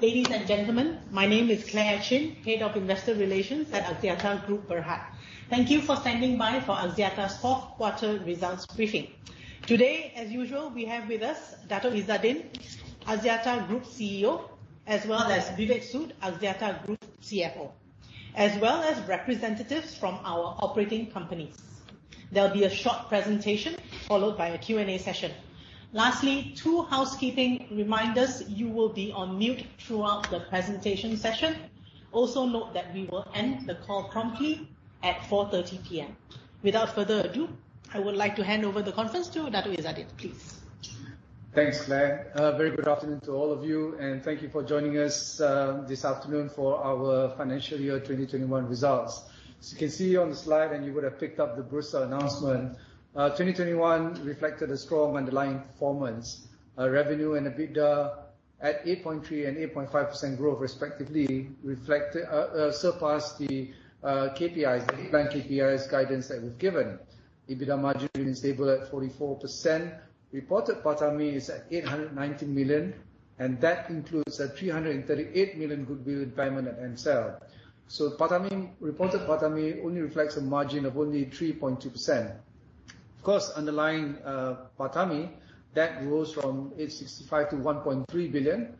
Hi, ladies and gentlemen. My name is Clare Chin, Head of Investor Relations at Axiata Group Berhad. Thank you for standing by for Axiata's Q4 results briefing. Today, as usual, we have with us Dato' Izzaddin, Axiata Group CEO, as well as Vivek Sood, Axiata Group CFO, as well as representatives from our operating companies. There'll be a short presentation, followed by a Q&A session. Lastly, two housekeeping reminders. You will be on mute throughout the presentation session. Also note that we will end the call promptly at 4:30 P.M. Without further ado, I would like to hand over the conference to Dato' Izzaddin, please. Thanks, Clare. A very good afternoon to all of you, and thank you for joining us this afternoon for our financial year 2021 results. As you can see on the slide, and you would have picked up the Bursa announcement, 2021 reflected a strong underlying performance. Revenue and EBITDA at 8.3% and 8.5% growth respectively surpassed the KPIs, the headline KPIs guidance that we've given. EBITDA margin remains stable at 44%. Reported PATAMI is at 890 million, and that includes a 338 million goodwill impairment at in Celcom. PATAMI, reported PATAMI only reflects a margin of only 3.2%. Of course, underlying PATAMI that grows from 865 million to 1.3 billion.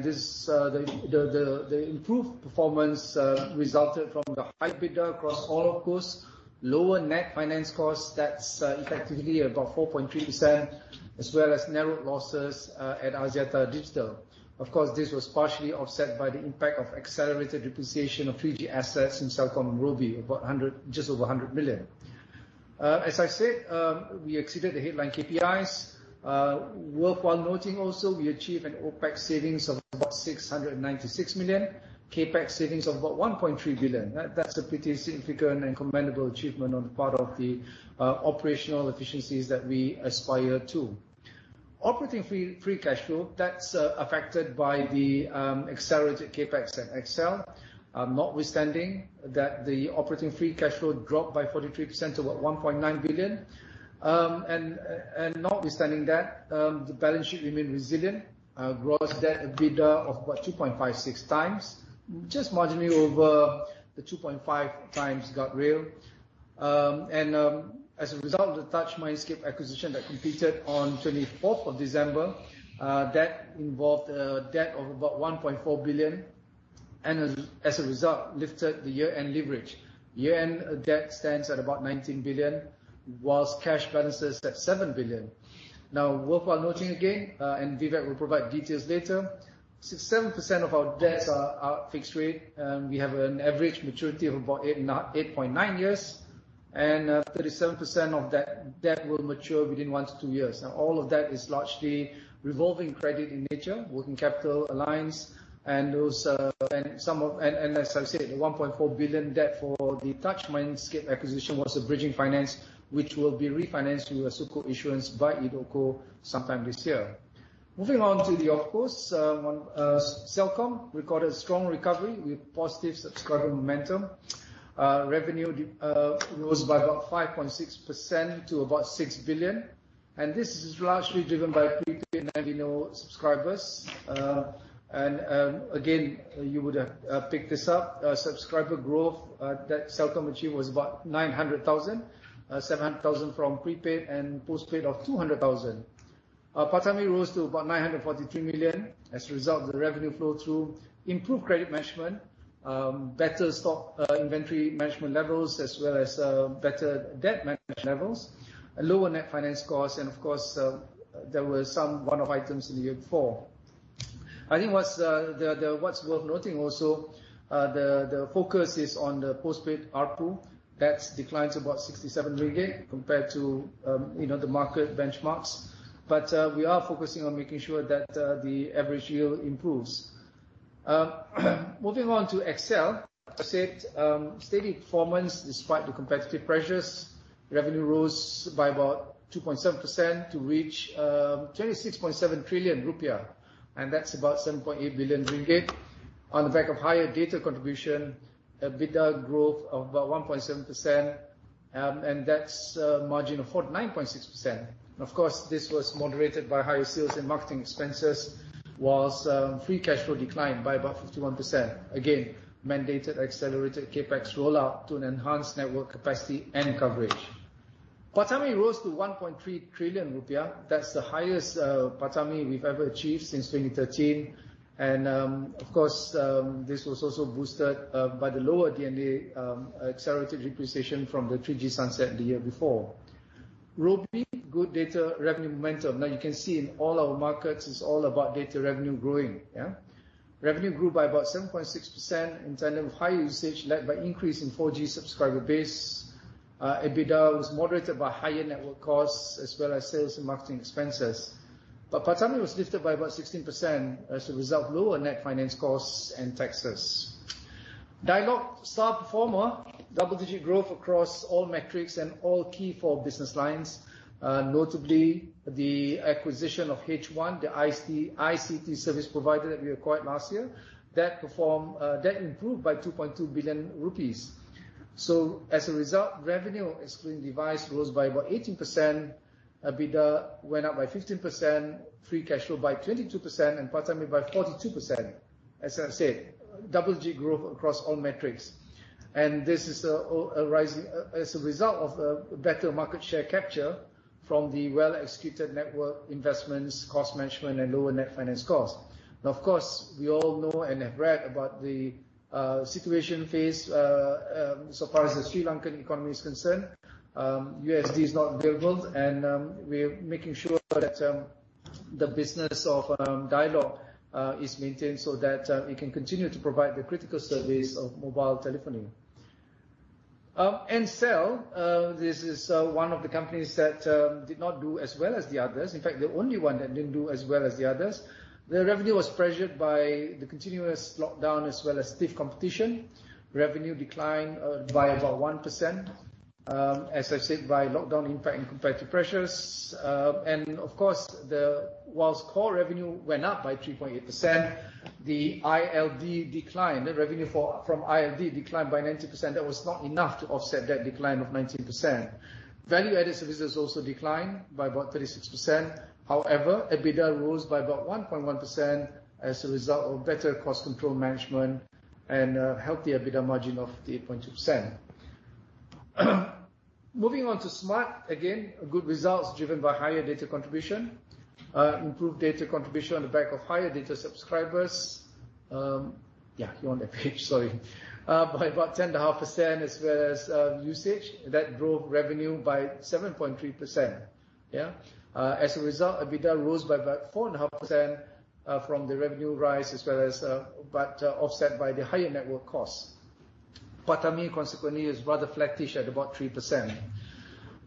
This improved performance resulted from the high EBITDA across all OpCos, lower net finance costs, that's effectively about 4.3%, as well as narrowed losses at Axiata Digital. Of course, this was partially offset by the impact of accelerated depreciation of 3G assets in Celcom and Robi, just over 100 million. We exceeded the headline KPIs. It's worthwhile noting also, we achieved an Opex savings of about 696 million, CapEx savings of about 1.3 billion. That's a pretty significant and commendable achievement on the part of the operational efficiencies that we aspire to. Operating free cash flow that's affected by the accelerated CapEx at XL, notwithstanding that the operating free cash flow dropped by 43% to about 1.9 billion. Notwithstanding that, the balance sheet remained resilient. Gross debt to EBITDA of about 2.56 times, just marginally over the 2.5 times guardrail. As a result of the Touch Mindscape acquisition that completed on 24th of December, that involved a debt of about 1.4 billion, and as a result, lifted the year-end leverage. Year-end debt stands at about 19 billion, while cash balances at 7 billion. Now, worth noting again, and Vivek will provide details later. 7% of our debts are fixed rate. We have an average maturity of about 8.9 years, and 37% of that debt will mature within 1-2 years. Now, all of that is largely revolving credit in nature, working capital facilities, and as I said, the 1.4 billion debt for the Touch Mindscape acquisition was a bridging finance, which will be refinanced through a Sukuk issuance by edotco sometime this year. Moving on to the OpCos. Celcom recorded strong recovery with positive subscriber momentum. Revenue rose by about 5.6% to about MYR 6 billion. This is largely driven by prepaid and postpaid subscribers. Again, you would have picked this up. Subscriber growth that Celcom achieved was about 900,000, 700,000 from prepaid and 200,000 from postpaid. PATAMI rose to about 943 million as a result of the revenue flow-through, improved credit management, better stock, inventory management levels, as well as, better debt management levels, lower net finance costs, and of course, there were some one-off items in the year before. I think what's worth noting also, the focus is on the postpaid ARPU. That's declined to about 67 ringgit compared to, you know, the market benchmarks. We are focusing on making sure that, the average yield improves. Moving on to XL. As I said, steady performance despite the competitive pressures. Revenue rose by about 2.7% to reach 26.7 trillion rupiah, and that's about 7.8 billion ringgit on the back of higher data contribution, EBITDA growth of about 1.7%, and that's a margin of 49.6%. Of course, this was moderated by higher sales and marketing expenses, whilst free cash flow declined by about 51%. Again, mandated accelerated CapEx rollout to an enhanced network capacity and coverage. PATAMI rose to 1.3 trillion rupiah. That's the highest PATAMI we've ever achieved since 2013. Of course, this was also boosted by the lower D&A, accelerated depreciation from the 3G sunset the year before. Robi, good data revenue momentum. Now you can see in all our markets, it's all about data revenue growing, yeah? Revenue grew by about 7.6% in tandem with higher usage led by increase in 4G subscriber base. EBITDA was moderated by higher network costs as well as sales and marketing expenses. PATAMI was lifted by about 16% as a result of lower net finance costs and taxes. Dialog, star performer. Double-digit growth across all metrics and all key four business lines. Notably the acquisition of H One, the ICT service provider that we acquired last year. That improved by LKR 2.2 billion. As a result, revenue excluding device rose by about 18%. EBITDA went up by 15%, free cash flow by 22% and PATAMI by 42%. As I've said, double-digit growth across all metrics. This is as a result of better market share capture from the well-executed network investments, cost management and lower net finance costs. Now, of course, we all know and have read about the situation faced so far as the Sri Lankan economy is concerned. USD is not available, and we're making sure that the business of Dialog is maintained so that it can continue to provide the critical service of mobile telephony. Celcom, this is one of the companies that did not do as well as the others. In fact, the only one that didn't do as well as the others. Their revenue was pressured by the continuous lockdown as well as stiff competition. Revenue declined by about 1%. As I've said, by lockdown impact and competitive pressures. Of course, whilst core revenue went up by 3.8%, the ILD declined. The revenue from ILD declined by 19%. That was not enough to offset that decline of 19%. Value-added services also declined by about 36%. However, EBITDA rose by about 1.1% as a result of better cost control management and healthy EBITDA margin of 58.2%. Moving on to Smart. Again, good results driven by higher data contribution. Improved data contribution on the back of higher data subscribers by about 10.5% as well as usage. That drove revenue by 7.3%. As a result, EBITDA rose by about 4.5%, from the revenue rise as well as offset by the higher network costs. PATAMI consequently is rather flattish at about 3%.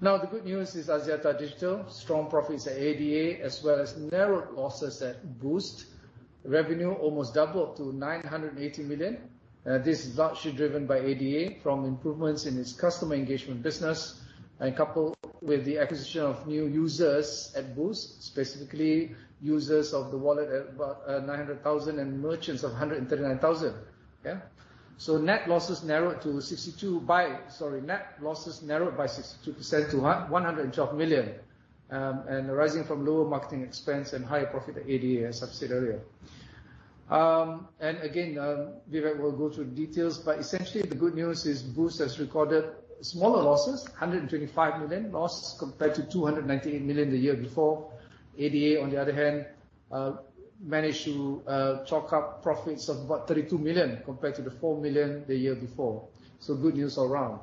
Now, the good news is Axiata Digital. Strong profits at ADA as well as narrowed losses at Boost. Revenue almost doubled to 980 million. This is largely driven by ADA from improvements in its customer engagement business and coupled with the acquisition of new users at Boost, specifically users of the wallet at about 900,000 and merchants of 139,000. Net losses narrowed by 62% to 112 million. Arising from lower marketing expense and higher profit at ADA, as I've said earlier. Again, Vivek will go through the details, but essentially the good news is Boost has recorded smaller losses, 125 million losses compared to 298 million the year before. ADA, on the other hand, managed to chalk up profits of about 32 million compared to the 4 million the year before. Good news all around.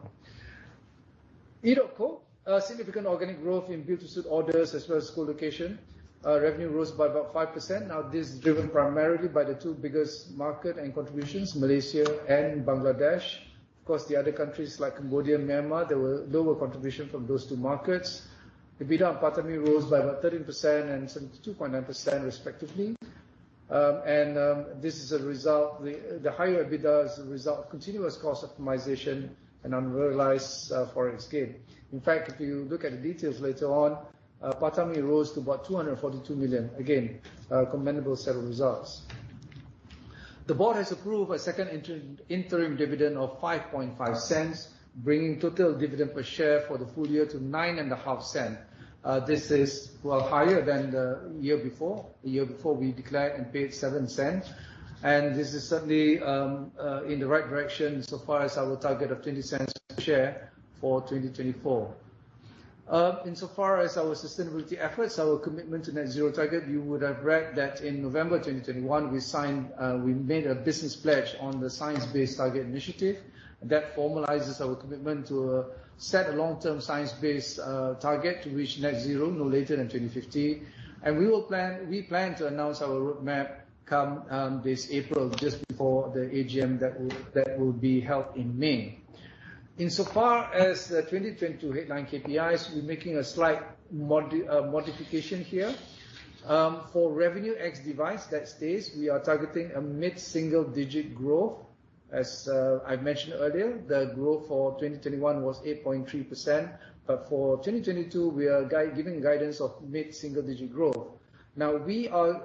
edotco, a significant organic growth in built-to-suit orders as well as co-location. Revenue rose by about 5%. Now this is driven primarily by the two biggest market and contributions, Malaysia and Bangladesh. Of course, the other countries like Cambodia and Myanmar, there were lower contribution from those two markets. EBITDA and PATAMI rose by about 13% and 72.9% respectively. This is a result. The higher EBITDA is a result of continuous cost optimization and unrealized Forex gain. In fact, if you look at the details later on, PATAMI rose to about 242 million. Again, commendable set of results. The board has approved a second interim dividend of 0.055, bringing total dividend per share for the full year to 0.095. This is well higher than the year before. The year before we declared and paid 0.07. This is certainly in the right direction so far as our target of 0.20 per share for 2024. In so far as our sustainability efforts, our commitment to net zero target, you would have read that in November 2021 we made a business pledge on the Science Based Targets initiative. That formalizes our commitment to set a long-term Science-Based target to reach net zero no later than 2050. We plan to announce our roadmap come this April, just before the AGM that will be held in May. In so far as the 2022 headline KPIs, we're making a slight modification here. For revenue ex device, that stays. We are targeting a mid-single digit growth. As I mentioned earlier, the growth for 2021 was 8.3%. For 2022, we are giving guidance of mid-single digit growth. Now we are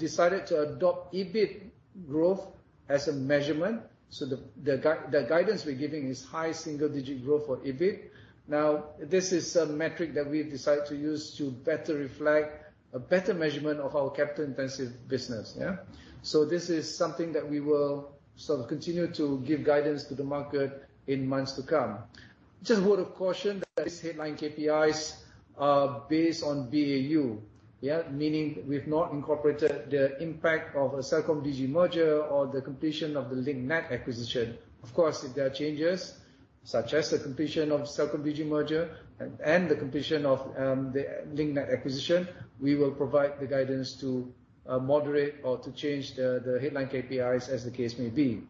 decided to adopt EBIT growth as a measurement. The guidance we're giving is high single digit growth for EBIT. Now this is a metric that we've decided to use to better reflect a better measurement of our capital-intensive business. Yeah? This is something that we will sort of continue to give guidance to the market in months to come. Just a word of caution that these headline KPIs are based on BAU. Yeah? Meaning we've not incorporated the impact of a Celcom Digi merger or the completion of the Link Net acquisition. Of course, if there are changes, such as the completion of Celcom Digi merger and the completion of the Link Net acquisition, we will provide the guidance to moderate or to change the headline KPIs as the case may be.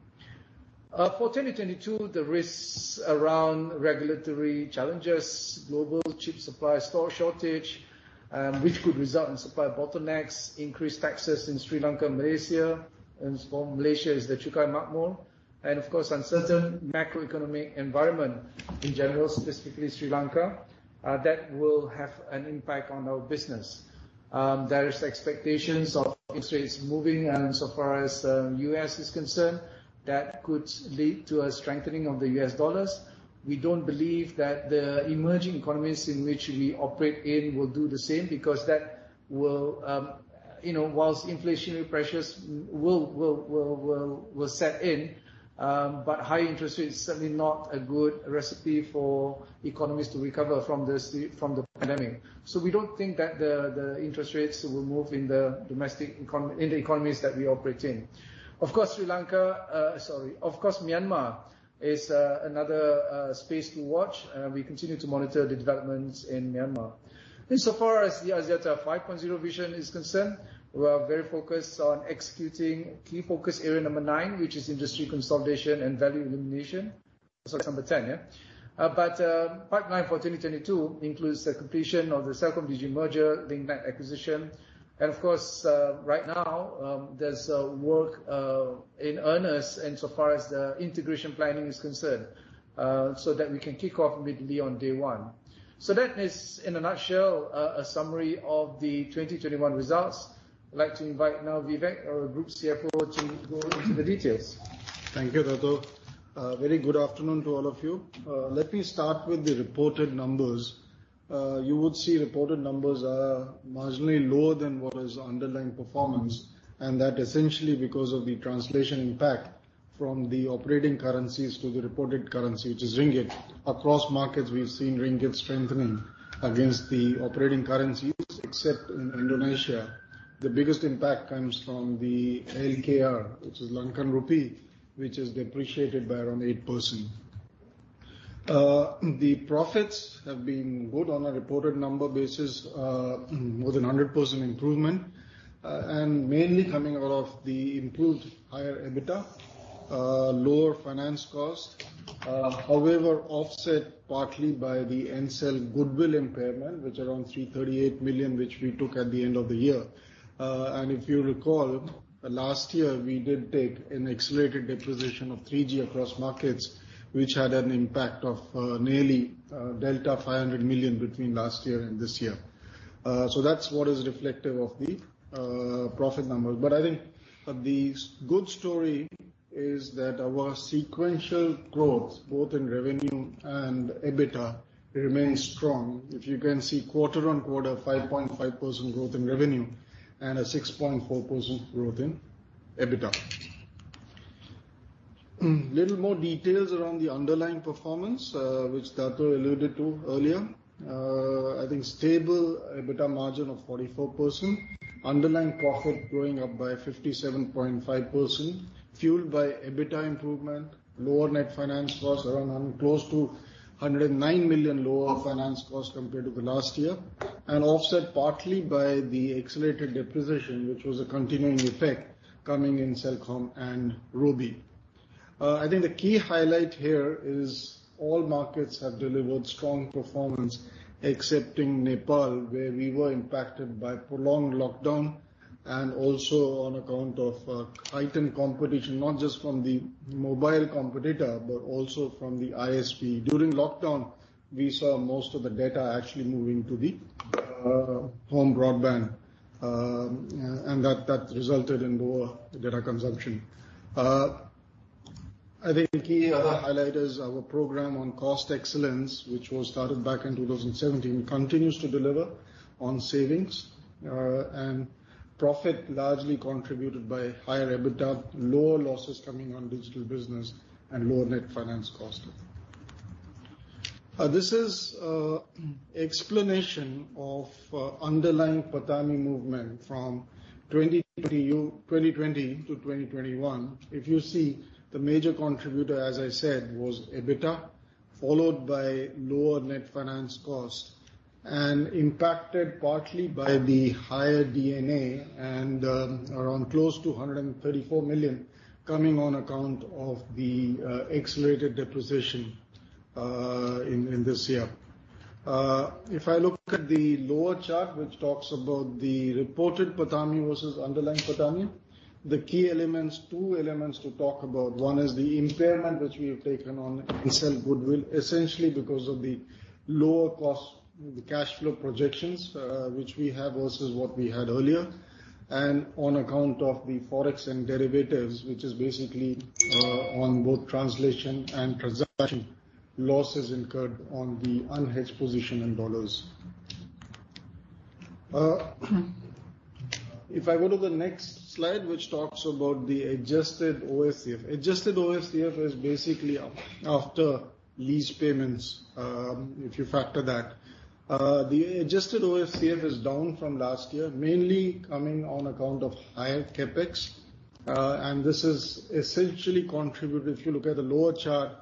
For 2022, the risks around regulatory challenges, global chip supply shortage, which could result in supply bottlenecks, increased taxes in Sri Lanka and Malaysia, and for Malaysia is the Cukai Makmur, and of course, uncertain macroeconomic environment in general, specifically Sri Lanka, that will have an impact on our business. There is expectations of interest rates moving and so far as the U.S. is concerned, that could lead to a strengthening of the U.S. dollars. We don't believe that the emerging economies in which we operate in will do the same, because that will, you know, while inflationary pressures will set in, but high interest rates is certainly not a good recipe for economies to recover from the pandemic. We don't think that the interest rates will move in the economies that we operate in. Myanmar is another space to watch, and we continue to monitor the developments in Myanmar. As far as the Axiata 5.0 vision is concerned, we are very focused on executing key focus area number nine, which is industry consolidation and value realization. Sorry, number 10, yeah. Part nine for 2022 includes the completion of the Celcom Digi merger, Link Net acquisition, and of course, right now, there's work in earnest insofar as the integration planning is concerned, so that we can kick off immediately on day one. That is, in a nutshell, a summary of the 2021 results. I'd like to invite now Vivek, our Group CFO, to go into the details. Thank you, Dato. Very good afternoon to all of you. Let me start with the reported numbers. You would see reported numbers are marginally lower than what is underlying performance, and that essentially because of the translation impact from the operating currencies to the reported currency, which is ringgit. Across markets, we've seen ringgit strengthening against the operating currencies, except in Indonesia. The biggest impact comes from the LKR, which is Lankan rupee, which has depreciated by around 8%. The profits have been good on a reported number basis, more than 100% improvement, and mainly coming out of the improved higher EBITDA, lower finance cost. However, offset partly by the Ncell goodwill impairment, which around 338 million, which we took at the end of the year. If you recall, last year we did take an accelerated depreciation of 3G across markets, which had an impact of nearly delta of 500 million between last year and this year. That's what is reflective of the profit numbers. I think the good story is that our sequential growth, both in revenue and EBITDA, remains strong. If you can see quarter-on-quarter, 5.5% growth in revenue and a 6.4% growth in EBITDA. Little more details around the underlying performance, which Dato alluded to earlier. I think stable EBITDA margin of 44%. Underlying profit growing up by 57.5%, fueled by EBITDA improvement, lower net finance costs, around and close to 109 million lower finance costs compared to the last year, and offset partly by the accelerated depreciation, which was a continuing effect coming in Celcom and Robi. I think the key highlight here is all markets have delivered strong performance except in Nepal, where we were impacted by prolonged lockdown and also on account of heightened competition, not just from the mobile competitor, but also from the ISP. During lockdown, we saw most of the data actually moving to the home broadband, and that resulted in lower data consumption. I think key other highlight is our program on cost excellence, which was started back in 2017, continues to deliver on savings and profit largely contributed by higher EBITDA, lower losses coming on digital business and lower net finance costs. This is explanation of underlying PATAMI movement from 2020 to 2021. If you see, the major contributor, as I said, was EBITDA, followed by lower net finance cost and impacted partly by the higher D&A and around close to 134 million coming on account of the accelerated depreciation in this year. If I look at the lower chart, which talks about the reported PATAMI versus underlying PATAMI, the key elements, two elements to talk about. One is the impairment which we have taken on the Celcom goodwill, essentially because of the lower cost, the cash flow projections, which we have versus what we had earlier, and on account of the Forex and derivatives, which is basically, on both translation and transaction, losses incurred on the unhedged position in dollars. If I go to the next slide, which talks about the adjusted OFCF. Adjusted OFCF is basically after lease payments, if you factor that. The adjusted OFCF is down from last year, mainly coming on account of higher CapEx. This has essentially contributed, if you look at the lower chart,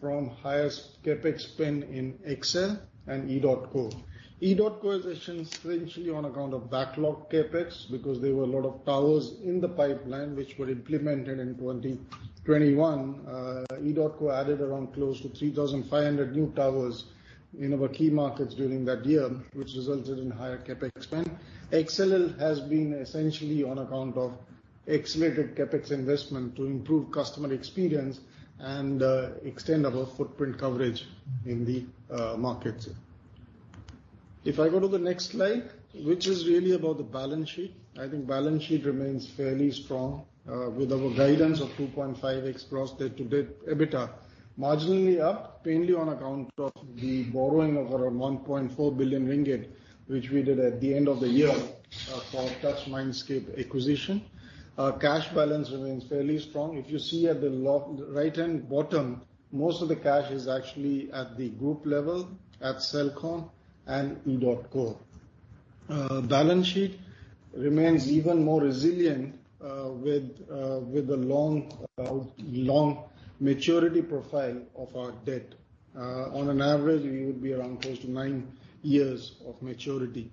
from highest CapEx spend in XL Axiata and edotco. Edotco is essentially on account of backlog CapEx because there were a lot of towers in the pipeline which were implemented in 2021. Edotco added around close to 3,500 new towers in our key markets during that year, which resulted in higher CapEx spend. XL has been essentially on account of accelerated CapEx investment to improve customer experience and extend our footprint coverage in the markets. If I go to the next slide, which is really about the balance sheet. I think balance sheet remains fairly strong with our guidance of 2.5x gross debt to EBITDA. Marginally up, mainly on account of the borrowing of around 1.4 billion ringgit, which we did at the end of the year for Touch Mindscape acquisition. Cash balance remains fairly strong. If you see at the lower-right end bottom, most of the cash is actually at the group level at Celcom and edotco. Balance sheet remains even more resilient with the long maturity profile of our debt. On an average, we would be around close to 9 years of maturity.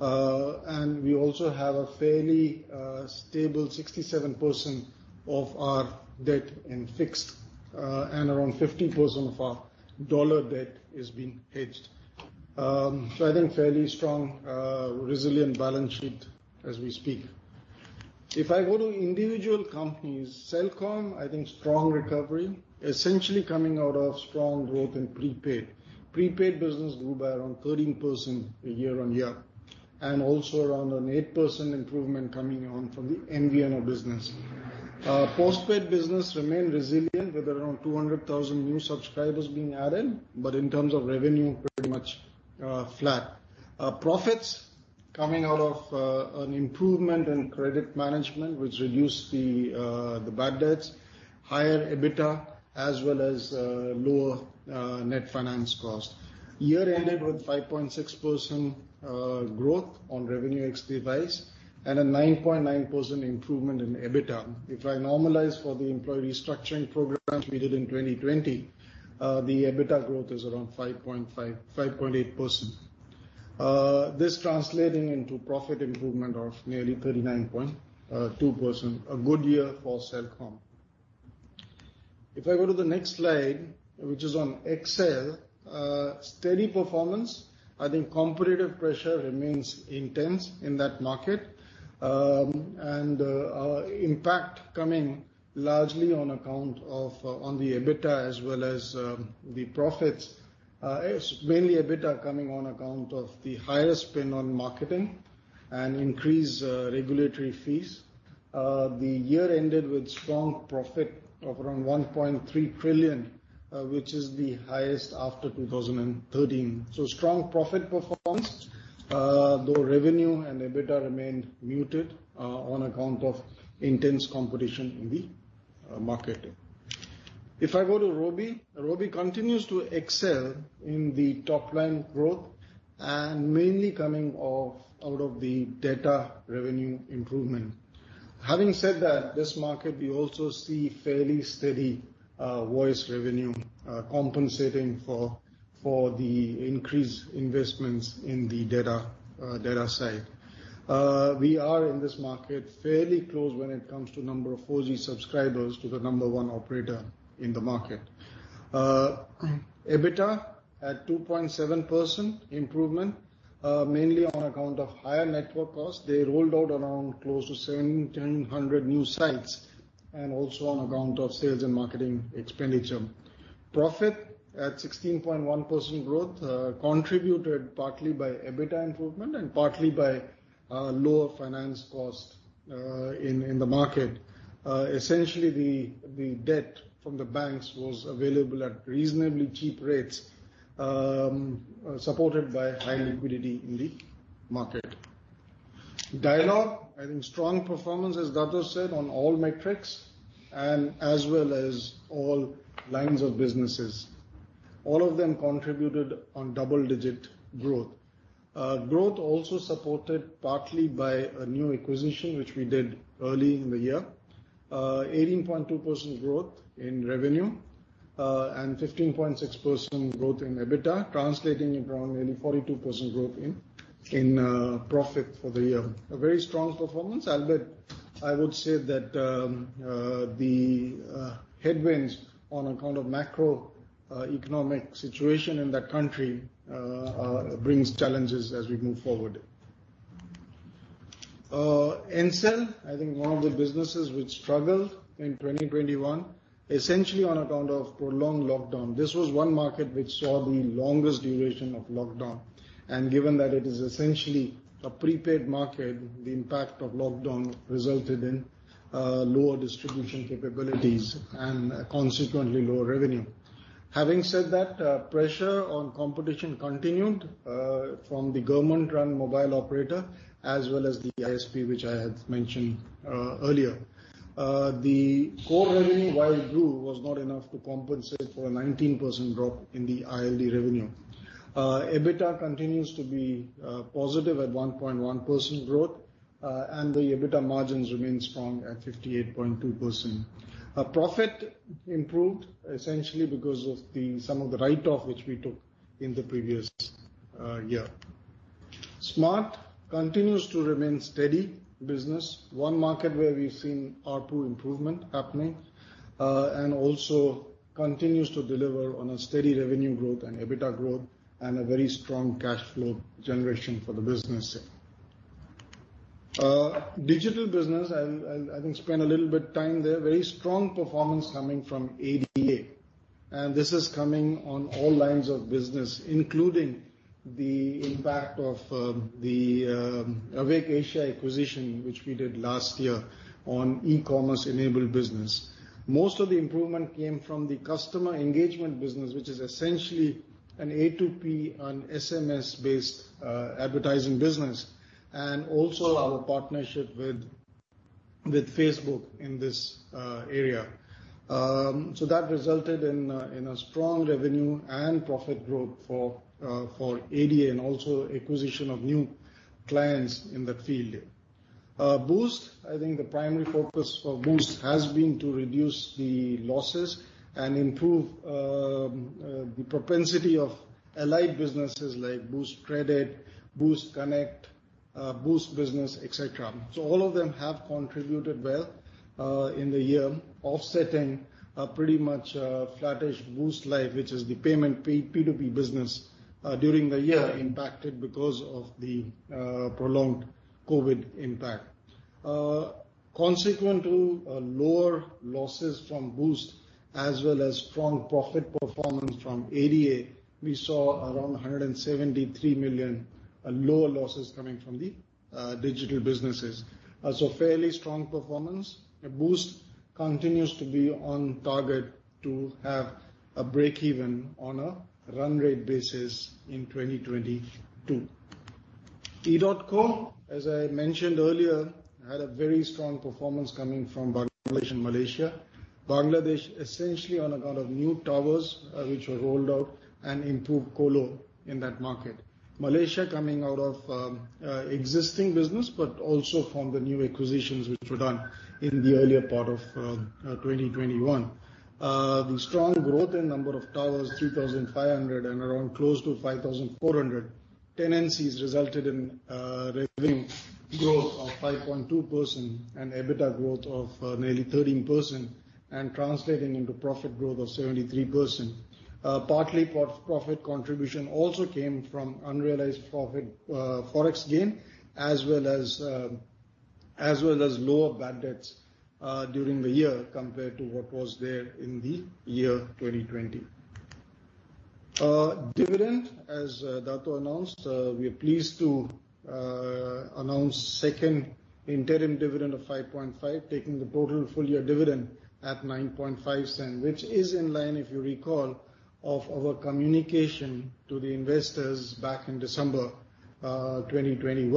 We also have a fairly stable 67% of our debt in fixed, and around 50% of our dollar debt is being hedged. I think fairly strong resilient balance sheet as we speak. If I go to individual companies, Celcom, I think strong recovery, essentially coming out of strong growth in prepaid. Prepaid business grew by around 13% year-on-year, and also around an 8% improvement coming on from the MVNO business. Postpaid business remained resilient with around 200,000 new subscribers being added, but in terms of revenue, pretty much flat. Profits coming out of an improvement in credit management, which reduced the bad debts, higher EBITDA, as well as lower net finance cost. Year ended with 5.6% growth on revenue ex-device and a 9.9% improvement in EBITDA. If I normalize for the employee restructuring program we did in 2020, the EBITDA growth is around 5.5%-5.8%. This translating into profit improvement of nearly 39.2%. A good year for Celcom. If I go to the next slide, which is on XL, steady performance. I think competitive pressure remains intense in that market. Impact coming largely on account of the EBITDA as well as the profits. It's mainly EBITDA coming on account of the higher spend on marketing and increased regulatory fees. The year ended with strong profit of around BDT 1.3 trillion, which is the highest after 2013. Strong profit performance, though revenue and EBITDA remained muted on account of intense competition in the market. If I go to Robi continues to excel in the top-line growth and mainly coming out of the data revenue improvement. Having said that, this market we also see fairly steady voice revenue compensating for the increased investments in the data side. We are in this market fairly close when it comes to number of 4G subscribers to the number one operator in the market. EBITDA at 2.7% improvement, mainly on account of higher network costs. They rolled out around close to 700-1,000 new sites and also on account of sales and marketing expenditure. Profit at 16.1% growth, contributed partly by EBITDA improvement and partly by lower finance cost in the market. Essentially the debt from the banks was available at reasonably cheap rates, supported by high liquidity in the market. Dialog, I think strong performance, as Dato said, on all metrics and as well as all lines of businesses. All of them contributed on double-digit growth. Growth also supported partly by a new acquisition, which we did early in the year. 18.2% growth in revenue and 15.6% growth in EBITDA, translating around nearly 42% growth in profit for the year. A very strong performance. Albeit, I would say that the headwinds on account of macroeconomic situation in that country brings challenges as we move forward. Ncell, I think one of the businesses which struggled in 2021, essentially on account of prolonged lockdown. This was one market which saw the longest duration of lockdown. Given that it is essentially a prepaid market, the impact of lockdown resulted in lower distribution capabilities and consequently lower revenue. Having said that, pressure on competition continued from the government-run mobile operator as well as the ISP, which I had mentioned earlier. The core revenue, while it grew, was not enough to compensate for a 19% drop in the ILD revenue. EBITDA continues to be positive at 1.1% growth. The EBITDA margins remain strong at 58.2%. Profit improved essentially because of the sum of the write-off which we took in the previous year. Smart continues to remain steady business. One market where we've seen ARPU improvement happening, and also continues to deliver on a steady revenue growth and EBITDA growth and a very strong cash flow generation for the business. Digital business, I'll, I think, spend a little bit of time there. Very strong performance coming from ADA, and this is coming on all lines of business, including the impact of the Awake Asia acquisition, which we did last year on e-commerce-enabled business. Most of the improvement came from the customer engagement business, which is essentially an A2P and SMS-based advertising business, and also our partnership with Facebook in this area. That resulted in a strong revenue and profit growth for ADA, and also acquisition of new clients in that field. Boost, I think the primary focus for Boost has been to reduce the losses and improve the propensity of allied businesses like Boost Credit, Boost Connect, Boost Biz, et cetera. All of them have contributed well in the year, offsetting a pretty much flattish Boost Life, which is the payment P2P business during the year impacted because of the prolonged COVID impact. Consequent to lower losses from Boost as well as strong profit performance from ADA, we saw around 173 million lower losses coming from the digital businesses. Fairly strong performance. Boost continues to be on target to have a break-even on a run rate basis in 2022. Edotco, as I mentioned earlier, had a very strong performance coming from Bangladesh and Malaysia. Bangladesh essentially on account of new towers which were rolled out and improved colo in that market. Malaysia coming out of existing business, but also from the new acquisitions which were done in the earlier part of 2021. The strong growth in number of towers, 3,500 and around close to 5,400 tenancies resulted in revenue growth of 5.2% and EBITDA growth of nearly 13% and translating into profit growth of 73%. Partly, profit contribution also came from unrealized profit, forex gain, as well as lower bad debts during the year compared to what was there in the year 2020. Dividend, as Dato' announced, we are pleased to announce second interim dividend of 0.055, taking the total full-year dividend at 0.095. Which is in line, if you recall, of our communication to the investors back in December 2020.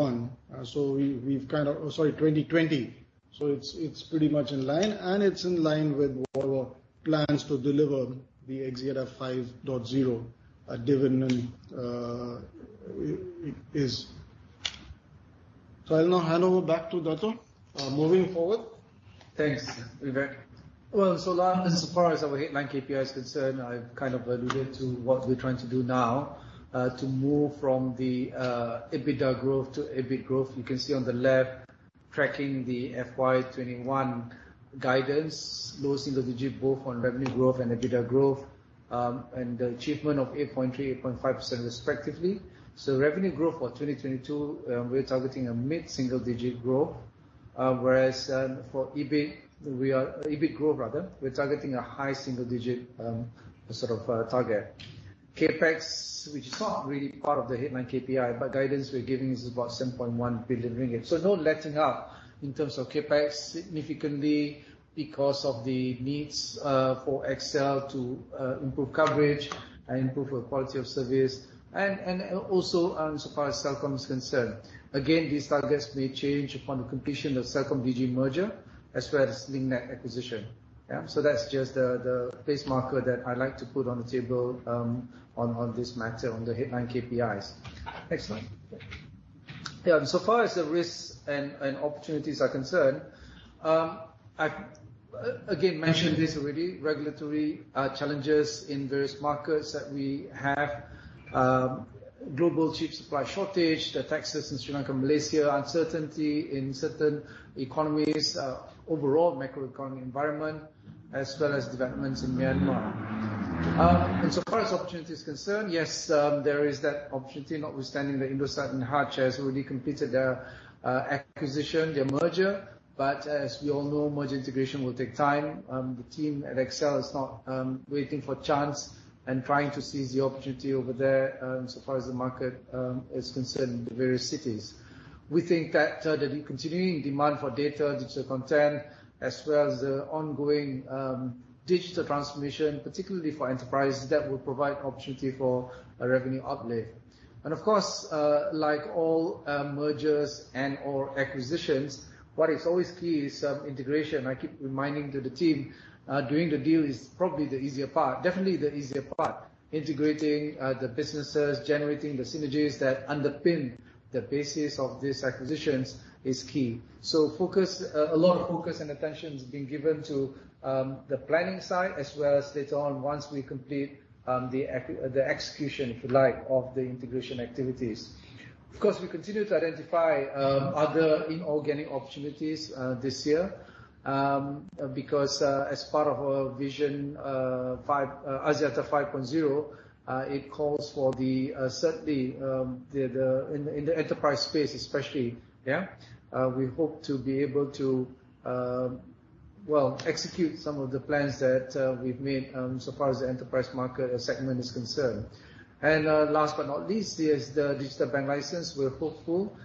So we've kind of. Sorry, 2020. It's pretty much in line, and it's in line with our plans to deliver the Axiata 5.0 dividend. I'll now hand over back to Dato'. Moving forward. Thanks, Vivek. Well, as far as our headline KPI is concerned, I've kind of alluded to what we're trying to do now, to move from the EBITDA growth to EBIT growth. You can see on the left, tracking the FY 2021 guidance, low single digit both on revenue growth and EBITDA growth, and the achievement of 8.3%, 8.5% respectively. Revenue growth for 2022, we're targeting a mid-single digit growth. Whereas, for EBIT growth rather, we're targeting a high single digit sort of target. CapEx, which is not really part of the headline KPI, but guidance we're giving is about 7.1 billion ringgit. No letting up in terms of CapEx significantly because of the needs for XL to improve coverage and improve the quality of service and also so far as Celcom is concerned. Again, these targets may change upon the completion of Celcom Digi merger, as well as Link Net acquisition. That's just the base marker that I like to put on the table on this matter, on the headline KPIs. Next slide. So far as the risks and opportunities are concerned, I've again mentioned this already, regulatory challenges in various markets that we have. Global chip supply shortage, the taxes in Sri Lanka and Malaysia, uncertainty in certain economies, overall macroeconomic environment, as well as developments in Myanmar. Far as opportunity is concerned, yes, there is that opportunity notwithstanding that Indosat and Hutchison has already completed their acquisition, their merger. As we all know, merger integration will take time. The team at XL is not waiting for chance and trying to seize the opportunity over there so far as the market is concerned in the various cities. We think that the continuing demand for data, digital content, as well as the ongoing digital transformation, particularly for enterprises, that will provide opportunity for a revenue uplift. Of course, like all mergers and/or acquisitions, what is always key is integration. I keep reminding to the team doing the deal is probably the easier part, definitely the easier part. Integrating the businesses, generating the synergies that underpin the basis of these acquisitions is key. Focus, a lot of focus and attention is being given to the planning side as well as later on once we complete the execution, if you like, of the integration activities. Of course, we continue to identify other inorganic opportunities this year. Because as part of our Axiata 5.0 vision, it calls for certainly in the enterprise space especially, yeah, we hope to be able to well execute some of the plans that we've made so far as the enterprise market or segment is concerned. Last but not least, is the digital bank license. We're hopeful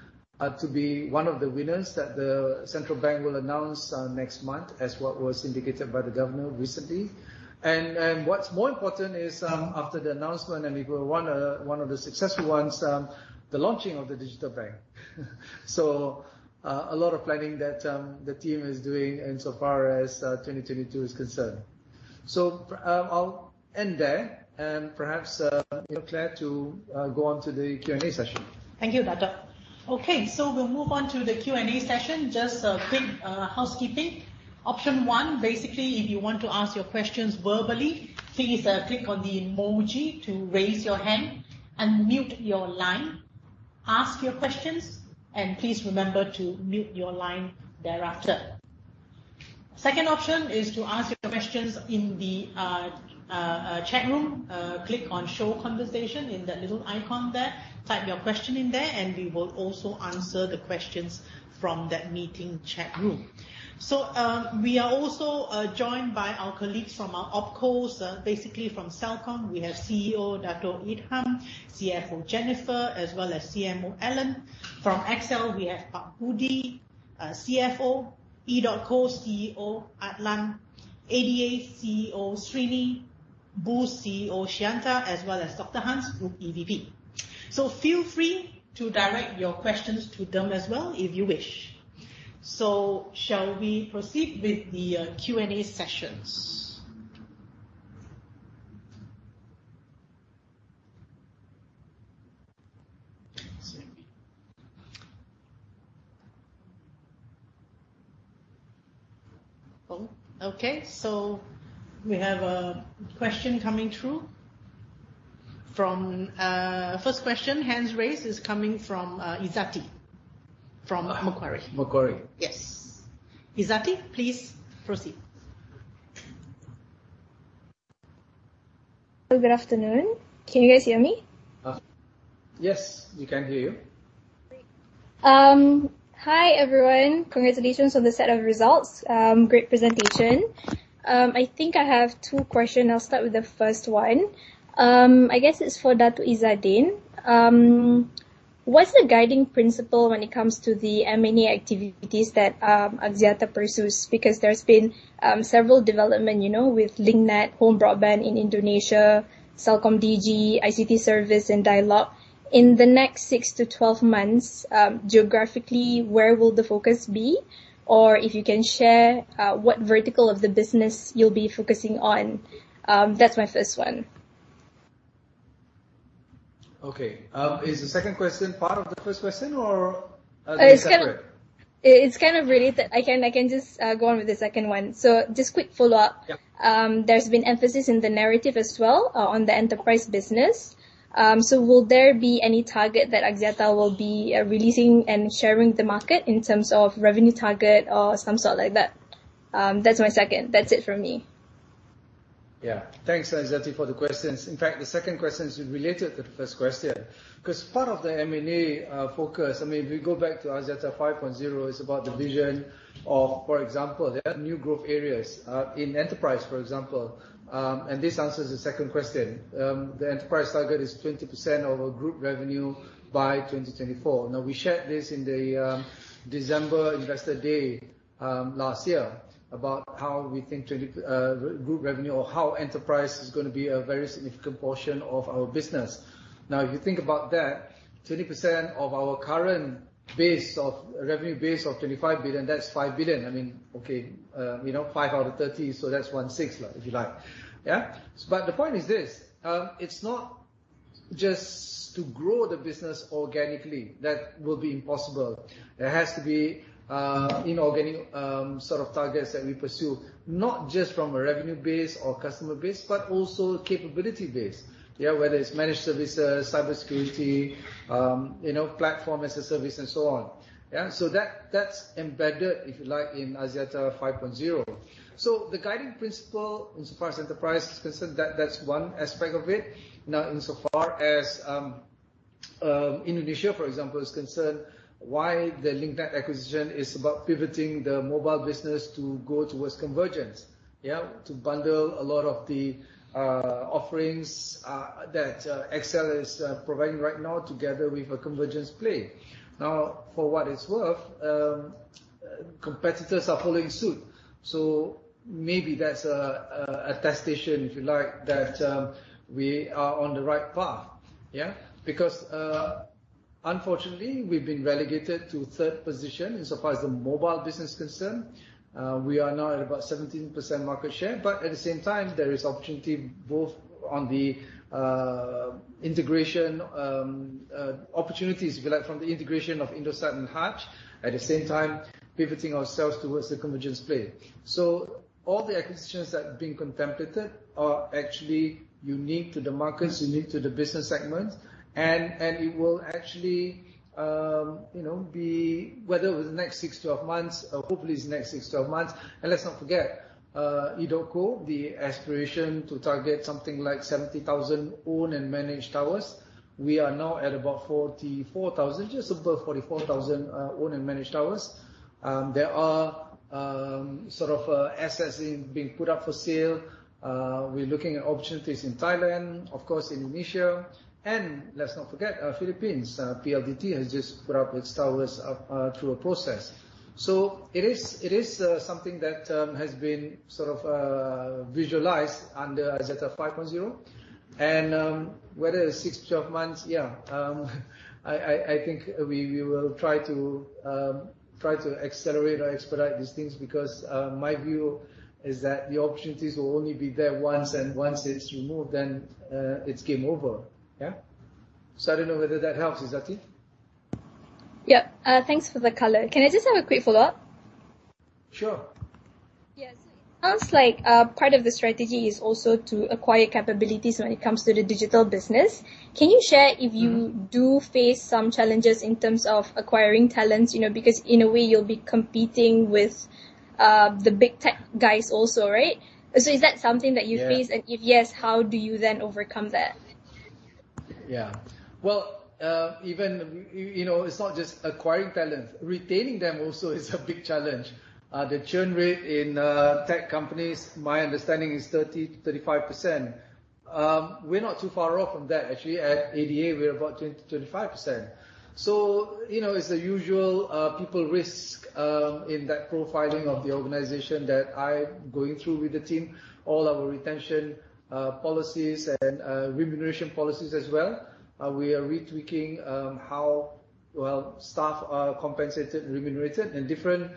to be one of the winners that the central bank will announce next month, as what was indicated by the governor recently. What's more important is after the announcement, and if we're one of the successful ones, the launching of the digital bank. A lot of planning that the team is doing insofar as 2022 is concerned. I'll end there and perhaps Clare to go on to the Q&A session. Thank you, Dato. Okay, so we'll move on to the Q&A session. Just a quick housekeeping. Option one, basically, if you want to ask your questions verbally, please click on the emoji to raise your hand. Unmute your line, ask your questions, and please remember to mute your line thereafter. Second option is to ask your questions in the chat room. Click on Show Conversation in that little icon there. Type your question in there, and we will also answer the questions from that meeting chat room. We are also joined by our colleagues from our opcos. Basically from Celcom, we have CEO Dato' Idham, CFO Jennifer, as well as CMO Allen. From XL, we have Pak Budi, CFO. Edotco, CEO Adlan. ADA, CEO Srini. Boost, CEO Sheyanta, as well as Dr Hans, Group EVP. Feel free to direct your questions to them as well, if you wish. Shall we proceed with the Q&A sessions? Oh, okay. We have a question coming through. First question, hands raised, is coming from Izzati from Macquarie. Macquarie. Yes. Izzati, please proceed. Good afternoon. Can you guys hear me? Yes, we can hear you. Great. Hi, everyone. Congratulations on the set of results. Great presentation. I think I have two questions. I'll start with the first one. I guess it's for Dato' Izzaddin. What's the guiding principle when it comes to the M&A activities that Axiata pursues? Because there's been several development, you know, with Link Net, home broadband in Indonesia, Celcom Digi, ICT service, and Dialog. In the next six to 12 months, geographically, where will the focus be? Or if you can share what vertical of the business you'll be focusing on. That's my first one. Okay. Is the second question part of the first question, or are they separate? It's kind of related. I can just go on with the second one. Just quick follow-up. Yep. There's been emphasis in the narrative as well on the enterprise business. So will there be any target that Axiata will be releasing and sharing with the market in terms of revenue target or some sort like that? That's my second. That's it from me. Yeah. Thanks, Izzati, for the questions. In fact, the second question is related to the first question, 'cause part of the M&A focus, I mean, if we go back to Axiata 5.0, it's about the vision of, for example, there are new growth areas in enterprise, for example. This answers the second question. The enterprise target is 20% of our group revenue by 2024. Now, we shared this in the December Investor Day last year about how we think our group revenue or how enterprise is gonna be a very significant portion of our business. Now, if you think about that, 20% of our current base of revenue base of 25 billion, that's 5 billion. I mean, okay, you know, 5 out of 30, so that's one-sixth, if you like. Yeah. The point is this: it's not just to grow the business organically. That will be impossible. There has to be inorganic sort of targets that we pursue, not just from a revenue base or customer base, but also capability base. Yeah? Whether it's managed services, cybersecurity, you know, platform as a service, and so on. Yeah? That's embedded, if you like, in Axiata 5.0. The guiding principle, insofar as enterprise is concerned, that's one aspect of it. Now, insofar as Indonesia, for example, is concerned, the Link Net acquisition is about pivoting the mobile business to go towards convergence. Yeah? To bundle a lot of the offerings that XL is providing right now together with a convergence play. Now, for what it's worth, competitors are following suit. Maybe that's a testament, if you like, that we are on the right path. Yeah? Because unfortunately, we've been relegated to third position insofar as the mobile business is concerned. We are now at about 17% market share, but at the same time, there is opportunity both on the integration opportunities, if you like, from the integration of Indosat and Hutch, at the same time pivoting ourselves towards the convergence play. All the acquisitions that are being contemplated are actually unique to the markets, unique to the business segments, and it will actually be, whether it was the next six to twelve months, or hopefully it's the next six to twelve months. Let's not forget edotco, the aspiration to target something like 70,000 owned and managed towers. We are now at about 44,000, just above 44,000, owned and managed towers. There are sort of assets being put up for sale. We're looking at opportunities in Thailand, of course, Indonesia, and let's not forget, Philippines. PLDT has just put up its towers up through a process. It is something that has been sort of visualized under Axiata 5.0. Whether 6, 12 months, yeah. I think we will try to accelerate or expedite these things because my view is that the opportunities will only be there once, and once it's removed, then it's game over. Yeah. I don't know whether that helps, Izzati. Yep. Thanks for the color. Can I just have a quick follow-up? Sure. Yeah. It sounds like, part of the strategy is also to acquire capabilities when it comes to the digital business. Can you share if you do you face some challenges in terms of acquiring talents? You know, because in a way, you'll be competing with the big tech guys also, right? Is that something that you face. Yeah. If yes, how do you then overcome that? Yeah. Well, you know, it's not just acquiring talent, retaining them also is a big challenge. The churn rate in tech companies, my understanding is 30%-35%. We're not too far off from that actually. At ADA, we're about 20% to 25%. So, you know, it's the usual people risk in that profiling of the organization that I'm going through with the team. All our retention policies and remuneration policies as well, we are retweaking how well staff are compensated and remunerated. Different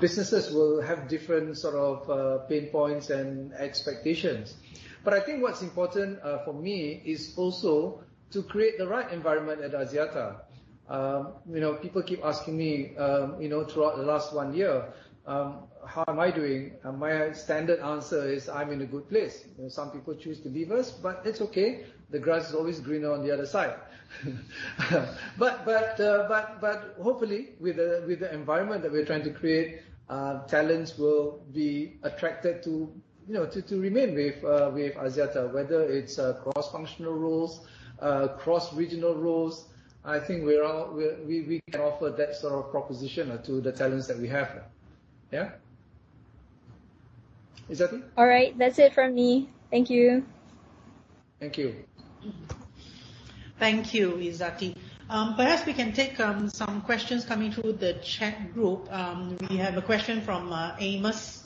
businesses will have different sort of pain points and expectations. I think what's important for me is also to create the right environment at Axiata. You know, people keep asking me, you know, throughout the last one year, how am I doing? My standard answer is, "I'm in a good place." You know, some people choose to leave us, but it's okay. The grass is always greener on the other side. But hopefully, with the environment that we're trying to create, talents will be attracted to, you know, to remain with Axiata, whether it's cross-functional roles, cross-regional roles. I think we can offer that sort of proposition to the talents that we have. Yeah. Izzati? All right. That's it from me. Thank you. Thank you. Thank you, Izzati. Perhaps we can take some questions coming through the chat group. We have a question from Amos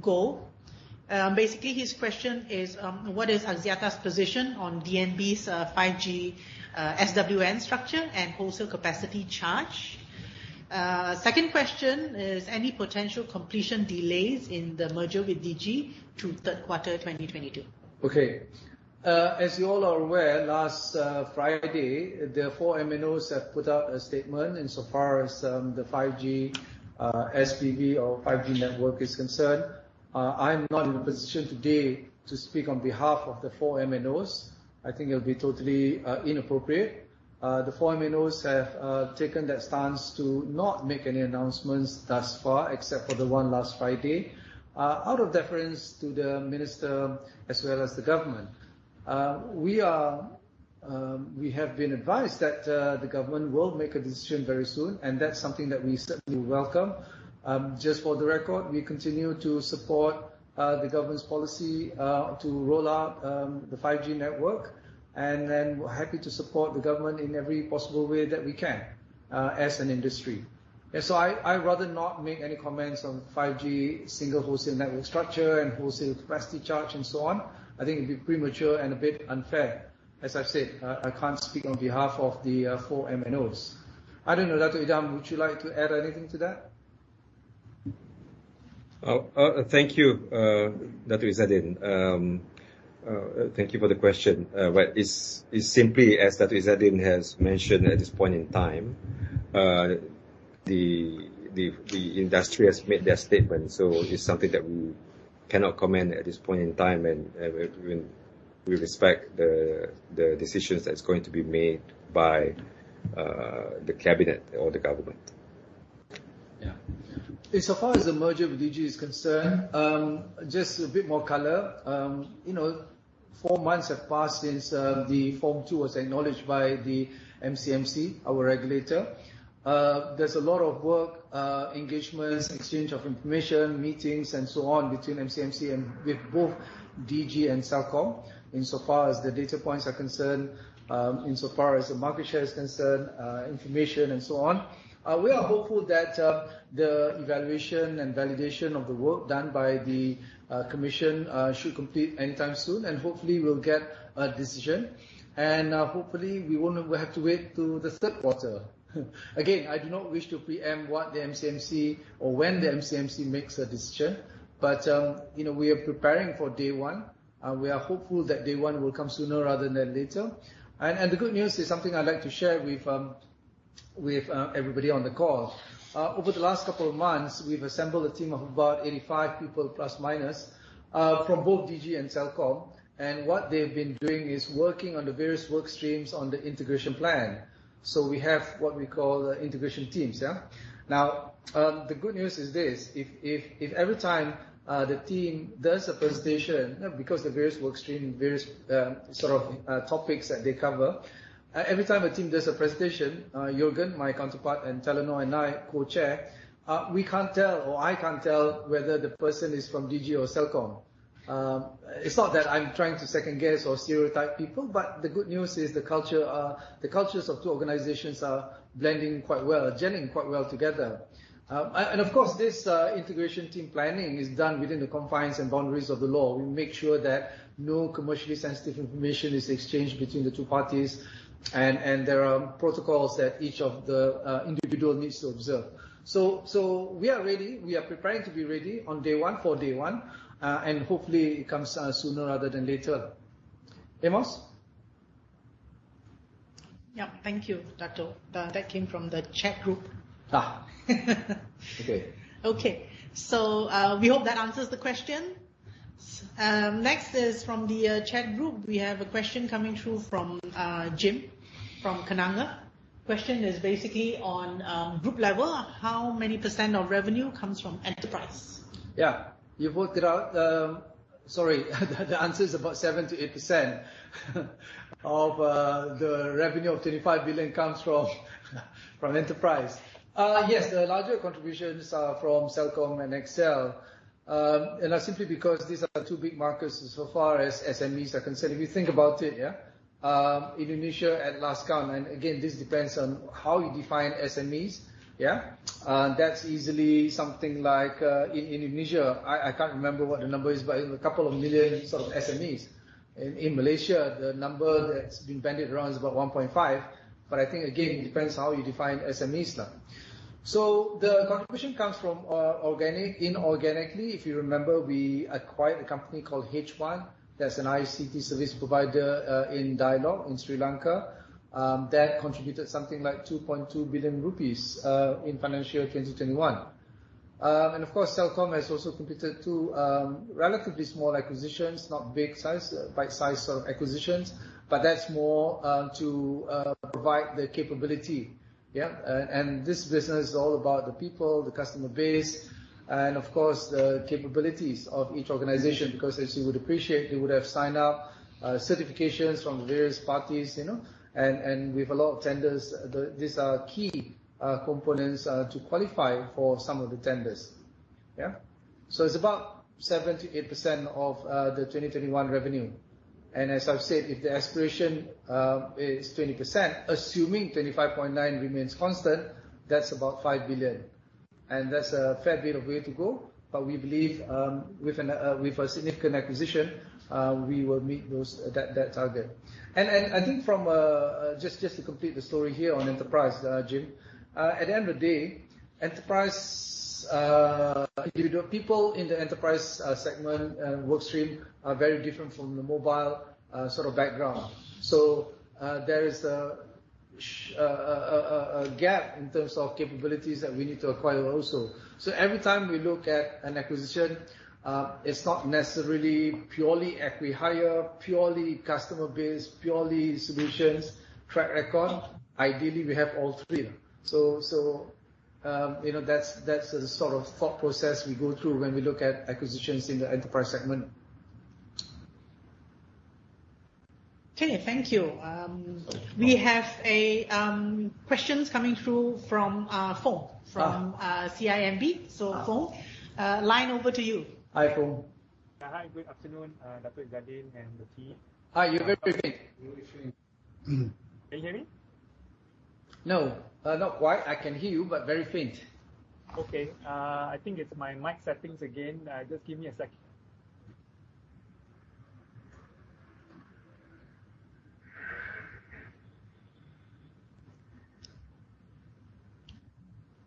Goh. Basically his question is, What is Axiata's position on DNB's 5G SWN structure and wholesale capacity charge? Second question is, any potential completion delays in the merger with Digi through Q3 2022? Okay. As you all are aware, last Friday, the four MNOs have put out a statement insofar as the 5G SPV or 5G network is concerned. I'm not in a position today to speak on behalf of the four MNOs. I think it'll be totally inappropriate. The four MNOs have taken that stance to not make any announcements thus far, except for the one last Friday, out of deference to the minister as well as the government. We have been advised that the government will make a decision very soon, and that's something that we certainly welcome. Just for the record, we continue to support the government's policy to roll out the 5G network. We're happy to support the government in every possible way that we can, as an industry. I'd rather not make any comments on 5G single wholesale network structure and wholesale capacity charge and so on. I think it'd be premature and a bit unfair. As I've said, I can't speak on behalf of the four MNOs. I don't know, Dato' Idham, would you like to add anything to that? Thank you, Dato' Izzaddin. Thank you for the question. Well, it's simply as Dato' Izzaddin has mentioned at this point in time. The industry has made their statement, so it's something that we cannot comment at this point in time, and we respect the decisions that's going to be made by the cabinet or the government. Yeah. Insofar as the merger with Digi is concerned. Just a bit more color. You know, four months have passed since the Form 2 was acknowledged by the MCMC, our regulator. There's a lot of work, engagements, exchange of information, meetings, and so on between MCMC and with both DG and Celcom. Insofar as the data points are concerned, insofar as the market share is concerned, information and so on, we are hopeful that the evaluation and validation of the work done by the commission should complete anytime soon. Hopefully, we'll get a decision. Hopefully, we won't have to wait to the Q3. Again, I do not wish to preempt what the MCMC or when the MCMC makes a decision, but you know, we are preparing for day one. We are hopeful that day one will come sooner rather than later. The good news is something I'd like to share with everybody on the call. Over the last couple of months, we've assembled a team of about 85 people, plus or minus, from both Digi and Celcom. What they've been doing is working on the various work streams on the integration plan. We have what we call the integration teams. The good news is this. Every time the team does a presentation because the various work streams various sort of topics that they cover every time a team does a presentation, Jørgen, my counterpart, and Telenor and I co-chair, we can't tell or I can't tell whether the person is from Digi or Celcom. It's not that I'm trying to second-guess or stereotype people, but the good news is the culture, the cultures of two organizations are blending quite well, gelling quite well together. Of course, this integration team planning is done within the confines and boundaries of the law. We make sure that no commercially sensitive information is exchanged between the two parties and there are protocols that each of the individual needs to observe. We are ready, we are preparing to be ready on day one for day one. Hopefully it comes sooner rather than later. Amos? Yep. Thank you, Dato'. That came from the chat group. Okay. Okay. We hope that answers the question. Next is from the chat group. We have a question coming through from Jim from Kenanga. Question is basically on group level, How many percent of revenue comes from enterprise? Yeah. You've worked it out. Sorry. The answer is about 7%-8% of the revenue of 25 billion comes from enterprise. Yes, the larger contributions are from Celcom and XL. That's simply because these are two big markets so far as SMEs are concerned. If you think about it, Indonesia at last count, and again, this depends on how you define SMEs. That's easily something like in Indonesia, I can't remember what the number is, but a couple of million sort of SMEs. In Malaysia, the number that's been bandied around is about 1.5, but I think, again, it depends how you define SMEs now. The contribution comes from organically inorganically. If you remember, we acquired a company called H One. That's an ICT service provider in Dialog in Sri Lanka. That contributed something like LKR 2.2 billion in financial year 2021. Celcom has also completed two relatively small acquisitions. Not big size, bite-size sort of acquisitions, but that's more to provide the capability. Yeah. This business is all about the people, the customer base, and of course, the capabilities of each organization. Because as you would appreciate, they would have signed up certifications from various parties, you know, and with a lot of tenders, these are key components to qualify for some of the tenders. Yeah. It's about 7%-8% of the 2021 revenue. As I've said, if the aspiration is 20%, assuming 25.9 remains constant, that's about 5 billion. That's a fair bit of way to go. We believe, with a significant acquisition, we will meet that target. I think just to complete the story here on enterprise, Jim, at the end of the day, enterprise individual people in the enterprise segment and work stream are very different from the mobile sort of background. There is a gap in terms of capabilities that we need to acquire also. Every time we look at an acquisition, it's not necessarily purely acqui-hire, purely customer base, purely solutions, track record. Ideally, we have all three. You know, that's the sort of thought process we go through when we look at acquisitions in the enterprise segment. Okay. Thank you. We have questions coming through from Foong from CIMB. Foong, line over to you. Hi, Foong. Hi, good afternoon, Dato' Izzaddin and the team. Hi, you're very faint. Can you hear me? No. Not quite. I can hear you, but very faint. Okay. I think it's my mic settings again. Just give me a second.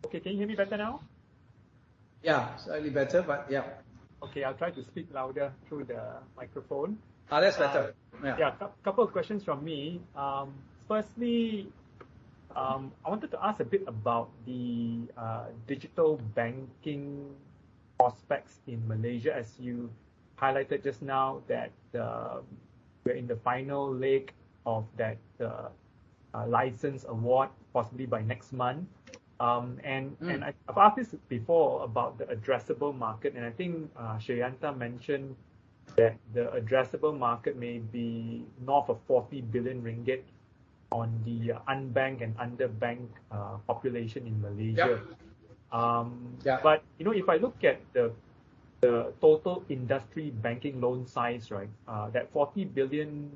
Okay. Can you hear me better now? Yeah, slightly better, but yeah. Okay. I'll try to speak louder through the microphone. That's better. Yeah. Yeah. Couple of questions from me. Firstly, I wanted to ask a bit about the digital banking prospects in Malaysia, as you highlighted just now that we're in the final leg of that license award possibly by next month. And I've asked this before about the addressable market, and I think Sheyantha mentioned that the addressable market may be north of 40 billion ringgit on the unbanked and underbanked population in Malaysia. Yep. Yeah. You know, if I look at the total industry banking loan size, right, that 40 billion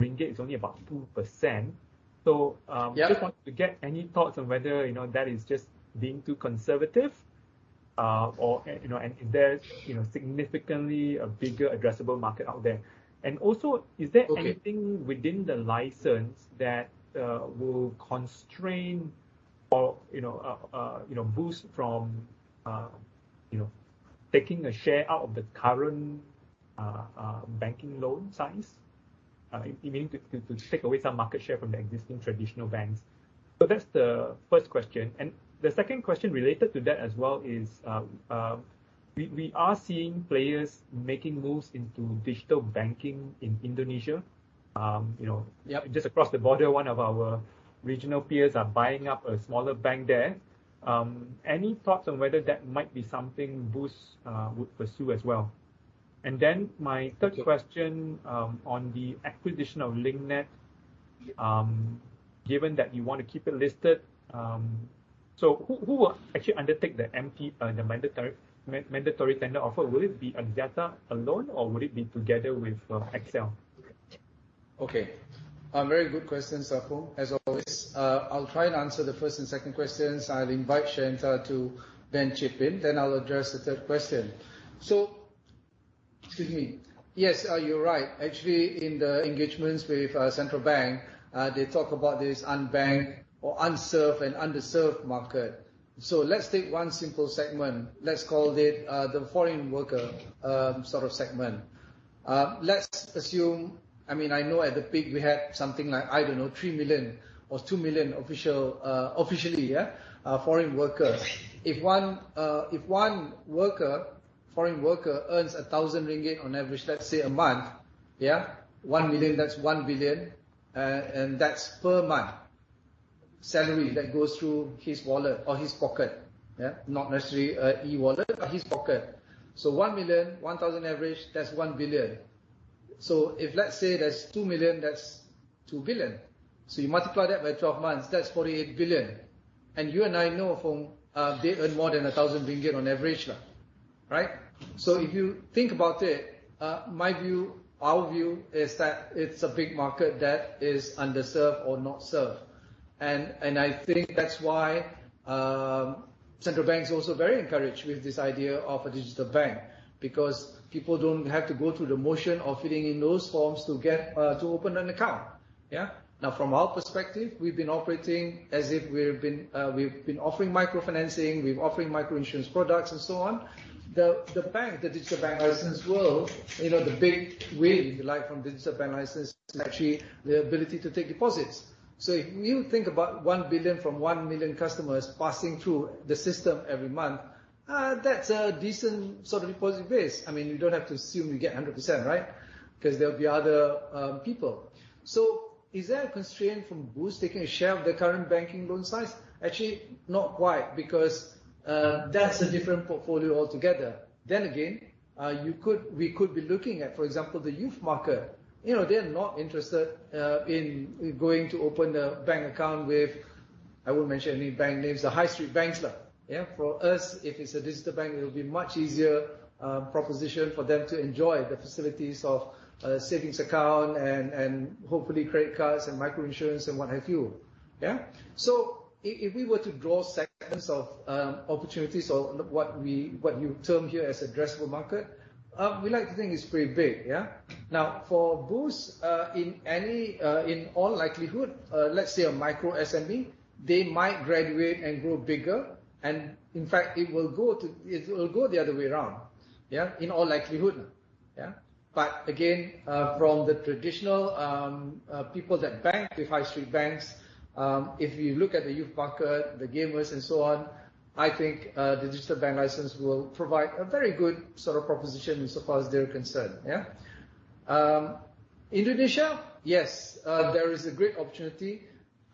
ringgit is only about 2%. Yeah Just want to get any thoughts on whether, you know, that is just being too conservative, or, you know, and is there, you know, significantly a bigger addressable market out there? Also, is there- Okay Anything within the license that will constrain or, you know, Boost from, you know, taking a share out of the current banking loan size? Meaning to take away some market share from the existing traditional banks. That's the first question. The second question related to that as well is, we are seeing players making moves into digital banking in Indonesia. You know Yep. Just across the border, one of our regional peers are buying up a smaller bank there. Any thoughts on whether that might be something Boost would pursue as well? My third question, on the acquisition of Link Net, given that you wanna keep it listed, so who will actually undertake the mandatory tender offer? Will it be Axiata alone, or would it be together with XL Axiata? Okay. Very good question, Foong, as always. I'll try and answer the first and second questions. I'll invite Shanta to then chip in, then I'll address the third question. Excuse me. Yes, you're right. Actually, in the engagements with central bank, they talk about this unbanked or unserved and underserved market. Let's take one simple segment. Let's call it the foreign worker sort of segment. Let's assume. I mean, I know at the peak we had something like, I don't know, 3 million or 2 million official foreign workers. If one foreign worker earns 1,000 ringgit on average, let's say a month, yeah? 1 million, that's 1 billion. And that's per month salary that goes through his wallet or his pocket, yeah? Not necessarily an e-wallet, but his pocket. One million, 1,000 average, that's 1 billion. If, let's say, that's 2 million, that's 2 billion. You multiply that by 12 months, that's 48 billion. You and I know, Foong, they earn more than 1,000 ringgit on average, right? If you think about it, my view, our view is that it's a big market that is underserved or not served. I think that's why central banks are also very encouraged with this idea of a digital bank, because people don't have to go through the motion of filling in those forms to get to open an account, yeah? Now, from our perspective, we've been operating as if we've been offering microfinancing, we've been offering micro-insurance products and so on. The digital bank license will, you know, the big win we like from the digital bank license is actually the ability to take deposits. If you think about 1 billion from 1 million customers passing through the system every month, that's a decent sort of deposit base. I mean, you don't have to assume you get 100%, right? 'Cause there'll be other people. Is there a constraint from Boost taking a share of the current banking loan size? Actually, not quite, because that's a different portfolio altogether. Then again, we could be looking at, for example, the youth market. You know, they're not interested in going to open a bank account with, I won't mention any bank names, the high street banks, yeah? For us, if it's a digital bank, it will be much easier proposition for them to enjoy the facilities of a savings account and hopefully credit cards and micro-insurance and what have you, yeah? If we were to draw segments of opportunities or what you term here as addressable market, we like to think it's pretty big, yeah? Now, for Boost, in all likelihood, let's say a micro SME, they might graduate and grow bigger and in fact it will go the other way around, yeah? In all likelihood, yeah? Again, from the traditional people that bank with high street banks, if you look at the youth market, the gamers and so on, I think the digital bank license will provide a very good sort of proposition in so far as they're concerned, yeah? Indonesia, yes, there is a great opportunity.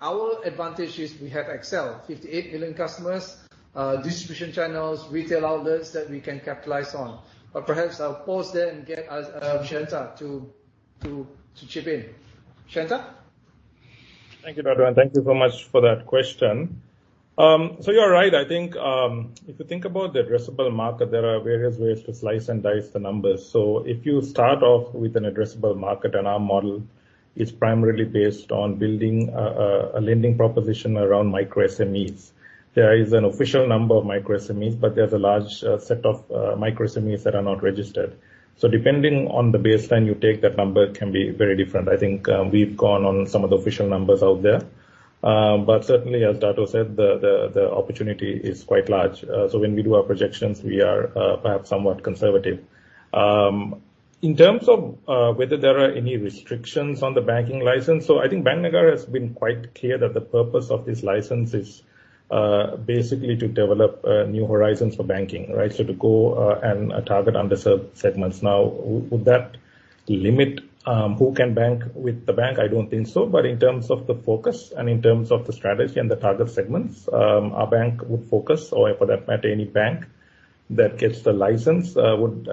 Our advantage is we have XL, 58 million customers, distribution channels, retail outlets that we can capitalize on. Perhaps I'll pause there and get Sheyantha to chip in. Sheyantha? Thank you, Dato'. Thank you so much for that question. You're right. I think, if you think about the addressable market, there are various ways to slice and dice the numbers. If you start off with an addressable market, and our model is primarily based on building a lending proposition around micro SMEs. There is an official number of micro SMEs, but there's a large set of micro SMEs that are not registered. Depending on the baseline you take, that number can be very different. I think, we've gone on some of the official numbers out there. Certainly as Dato' said, the opportunity is quite large. When we do our projections, we are perhaps somewhat conservative. In terms of whether there are any restrictions on the banking license, I think Bank Negara has been quite clear that the purpose of this license is basically to develop new horizons for banking, right? To go and target underserved segments. Now, would that limit who can bank with the bank? I don't think so. But in terms of the focus and in terms of the strategy and the target segments, our bank would focus or for that matter, any bank that gets the license would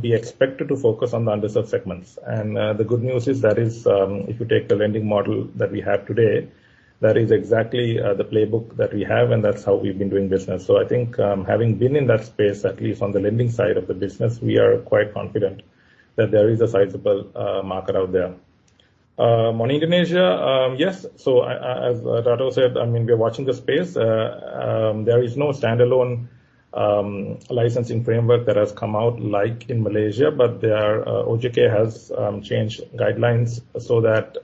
be expected to focus on the underserved segments. The good news is, if you take the lending model that we have today, that is exactly the playbook that we have, and that's how we've been doing business. I think, having been in that space, at least on the lending side of the business, we are quite confident that there is a sizable market out there. On Indonesia, yes. As Dato' said, I mean, we're watching the space. There is no standalone licensing framework that has come out like in Malaysia. But there are. OJK has changed guidelines so that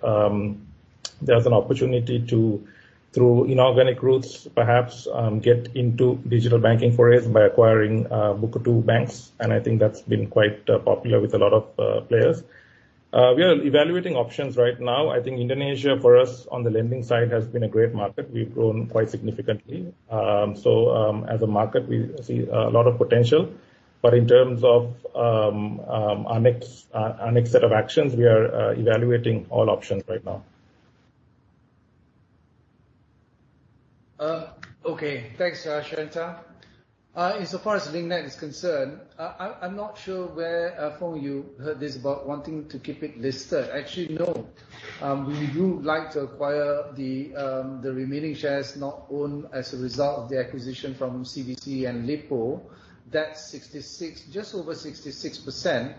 there's an opportunity to, through inorganic routes, perhaps, get into digital banking for us by acquiring BUKU 2 banks, and I think that's been quite popular with a lot of players. We are evaluating options right now. I think Indonesia, for us on the lending side, has been a great market. We've grown quite significantly. As a market, we see a lot of potential. In terms of our next set of actions, we are evaluating all options right now. Okay. Thanks, Sheyantha. In so far as Link Net is concerned, I'm not sure where Foong, you heard this about wanting to keep it listed. Actually, no. We do like to acquire the remaining shares not owned as a result of the acquisition from CVC and Lippo. That's just over 66%.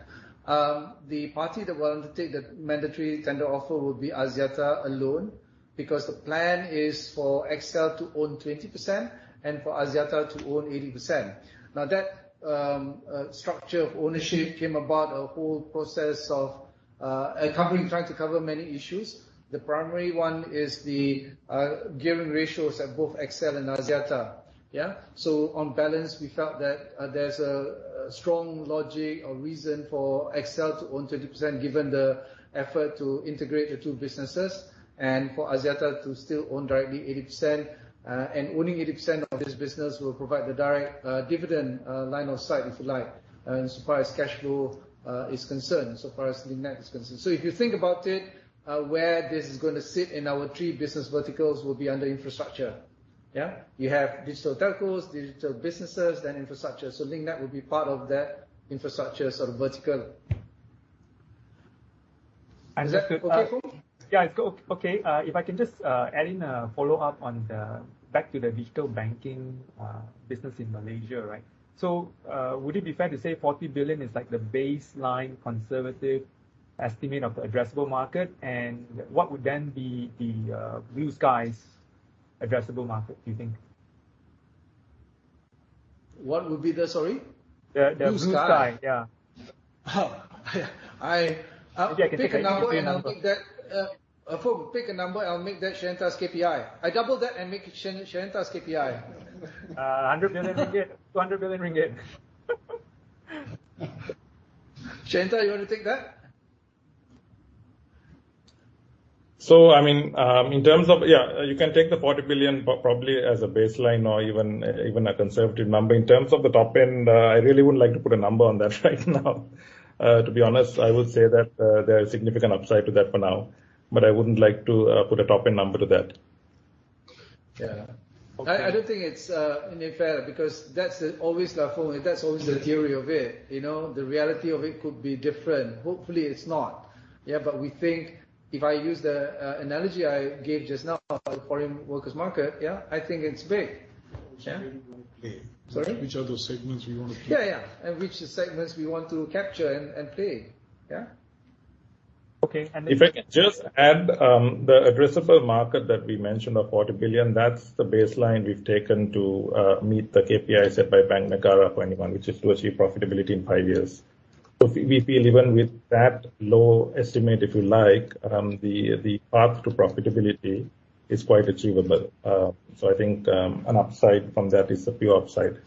The party that will undertake the mandatory tender offer will be Axiata alone because the plan is for XL to own 20% and for Axiata to own 80%. Now, that structure of ownership came about a whole process of a company trying to cover many issues. The primary one is the gearing ratios at both XL and Axiata. Yeah? On balance, we felt that there's a strong logic or reason for XL to own 20% given the effort to integrate the two businesses and for Axiata to still own directly 80%. Owning 80% of this business will provide the direct dividend line of sight, if you like, so far as cash flow is concerned, so far as Link Net is concerned. If you think about it, where this is gonna sit in our three business verticals will be under infrastructure. Yeah? You have digital telcos, digital businesses, then infrastructure. Link Net will be part of that infrastructure sort of vertical. And that- Is that okay, Foong? Okay. If I can just add in a follow-up back to the digital banking business in Malaysia, right? Would it be fair to say 40 billion is like the baseline conservative estimate of the addressable market? And what would then be the blue-sky's addressable market, do you think? Sorry? The blue-sky. Blue-sky. Yeah. Oh. I- Okay, I can take it. Pick a number, and I'll make that, Foong, pick a number, and I'll make that Sheyantha's KPI. I double that and make it Sheyantha's KPI. MYR 100 million, MYR 200 million. Sheyantha, you wanna take that? I mean, in terms of yeah, you can take the 40 billion probably as a baseline or even a conservative number. In terms of the top end, I really wouldn't like to put a number on that right now. To be honest, I would say that there is significant upside to that for now, but I wouldn't like to put a top-end number to that. Yeah. Okay. I don't think it's unfair because that's always the theory of it, you know. The reality of it could be different. Hopefully, it's not. Yeah. We think if I use the analogy I gave just now, the foreign workers market, yeah, I think it's big. Yeah. Which are those segments we wanna play? Sorry? Which are those segments we wanna play? Yeah, yeah. Which are the segments we want to capture and play. Yeah. Okay. If I can just add, the addressable market that we mentioned of 40 billion, that's the baseline we've taken to meet the KPI set by Bank Negara Malaysia, which is to achieve profitability in 5 years. We feel even with that low estimate, if you like, the path to profitability is quite achievable. I think an upside from that is a pure upside.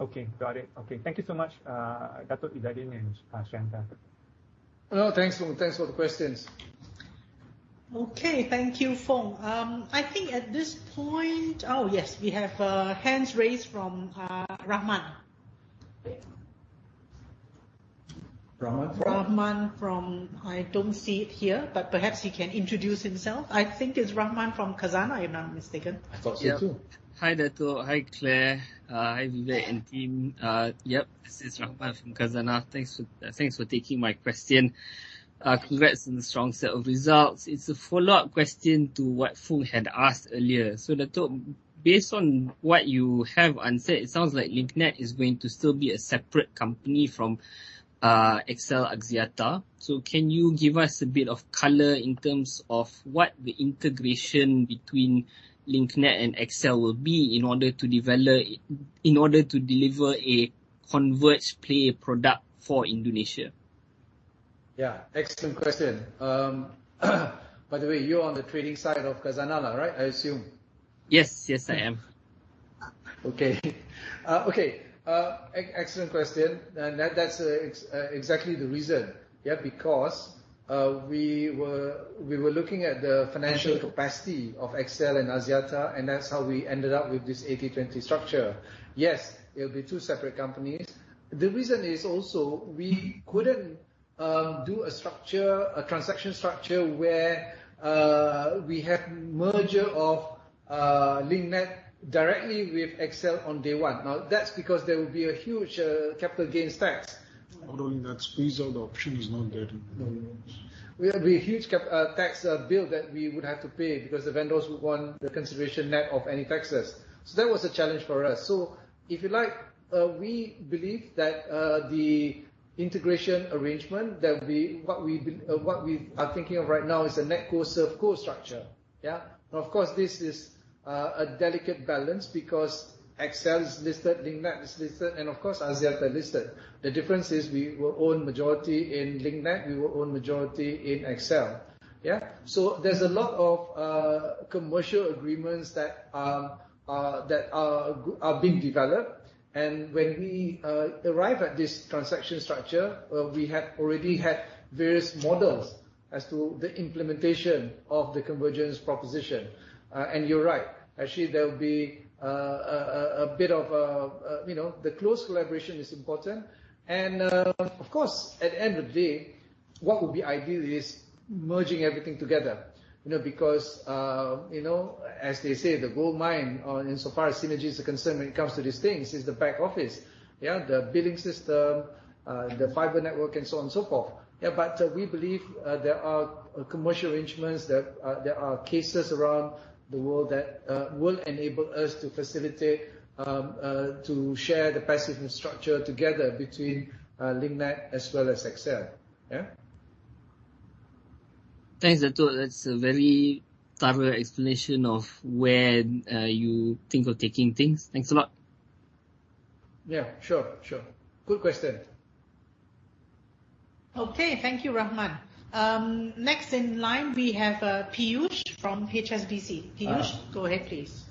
Okay. Got it. Okay. Thank you so much, Dato' Izzaddin and Sheyantha. No, thanks, Foong. Thanks for the questions. Okay. Thank you, Foong. I think at this point. Oh, yes, we have hands raised from Rahman. Rahman from? Rahman, I don't see it here, but perhaps he can introduce himself. I think it's Rahman from Khazanah, if I'm not mistaken. I thought so too. Yep. Hi, Dato'. Hi, Claire. Hi Vivek and team. Yep, this is Rahman from Khazanah. Thanks for taking my question. Congrats on the strong set of results. It's a follow-up question to what Foong had asked earlier. Dato', based on what you have answered, it sounds like Link Net is going to still be a separate company from XL Axiata. Can you give us a bit of color in terms of what the integration between Link Net and XL will be in order to deliver a converged play product for Indonesia? Yeah. Excellent question. By the way, you're on the trading side of Khazanah, right? I assume. Yes. Yes, I am. Okay. Excellent question. That's exactly the reason. Yeah. Because we were looking at the financial capacity of XL Axiata and Axiata, and that's how we ended up with this 80-20 structure. Yes, it'll be two separate companies. The reason is also we couldn't do a structure, a transaction structure where we have merger of Link Net directly with XL Axiata on day one. Now, that's because there will be a huge capital gains tax. Although in that phased option is not dead. Will be a huge CapEx tax bill that we would have to pay because the vendors would want the consideration net of any taxes. That was a challenge for us. If you like, we believe that the integration arrangement that we are thinking of right now is a NetCo ServCo structure. Now, of course, this is a delicate balance because XL is listed, Link Net is listed, and of course, Axiata is listed. The difference is we will own majority in Link Net, we will own majority in XL. There's a lot of commercial agreements that are being developed. When we arrive at this transaction structure, we had already had various models as to the implementation of the convergence proposition. You're right. Actually, there will be a bit of a, you know. The close collaboration is important and, of course, at the end of the day, what would be ideal is merging everything together, you know, because, you know, as they say, the goldmine insofar as synergies are concerned when it comes to these things is the back office. Yeah. The billing system, the fiber network, and so on and so forth. Yeah, but we believe there are commercial arrangements, there are cases around the world that will enable us to facilitate to share the passive infrastructure together between Link Net as well as XL Axiata. Yeah. Thanks, Dato'. That's a very thorough explanation of where you think of taking things. Thanks a lot. Yeah. Sure, sure. Good question. Okay. Thank you, Rahman. Next in line, we have Piyush from HSBC. Hi. Piyush, go ahead, please.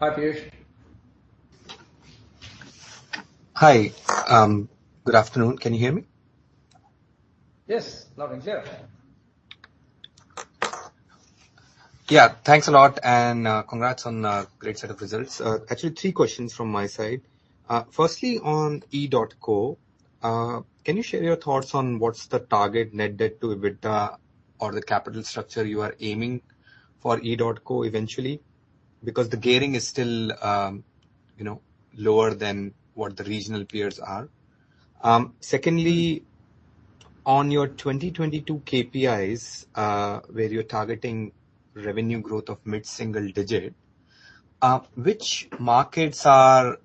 Hi, Piyush. Hi. Good afternoon. Can you hear me? Yes. Loud and clear. Yeah. Thanks a lot and, congrats on a great set of results. Actually, 3 questions from my side. Firstly, on edotco, can you share your thoughts on what's the target net debt to EBITDA or the capital structure you are aiming for edotco eventually? Because the gearing is still, you know, lower than what the regional peers are. Secondly, on your 2022 KPIs, where you're targeting revenue growth of mid-single digit, which markets are,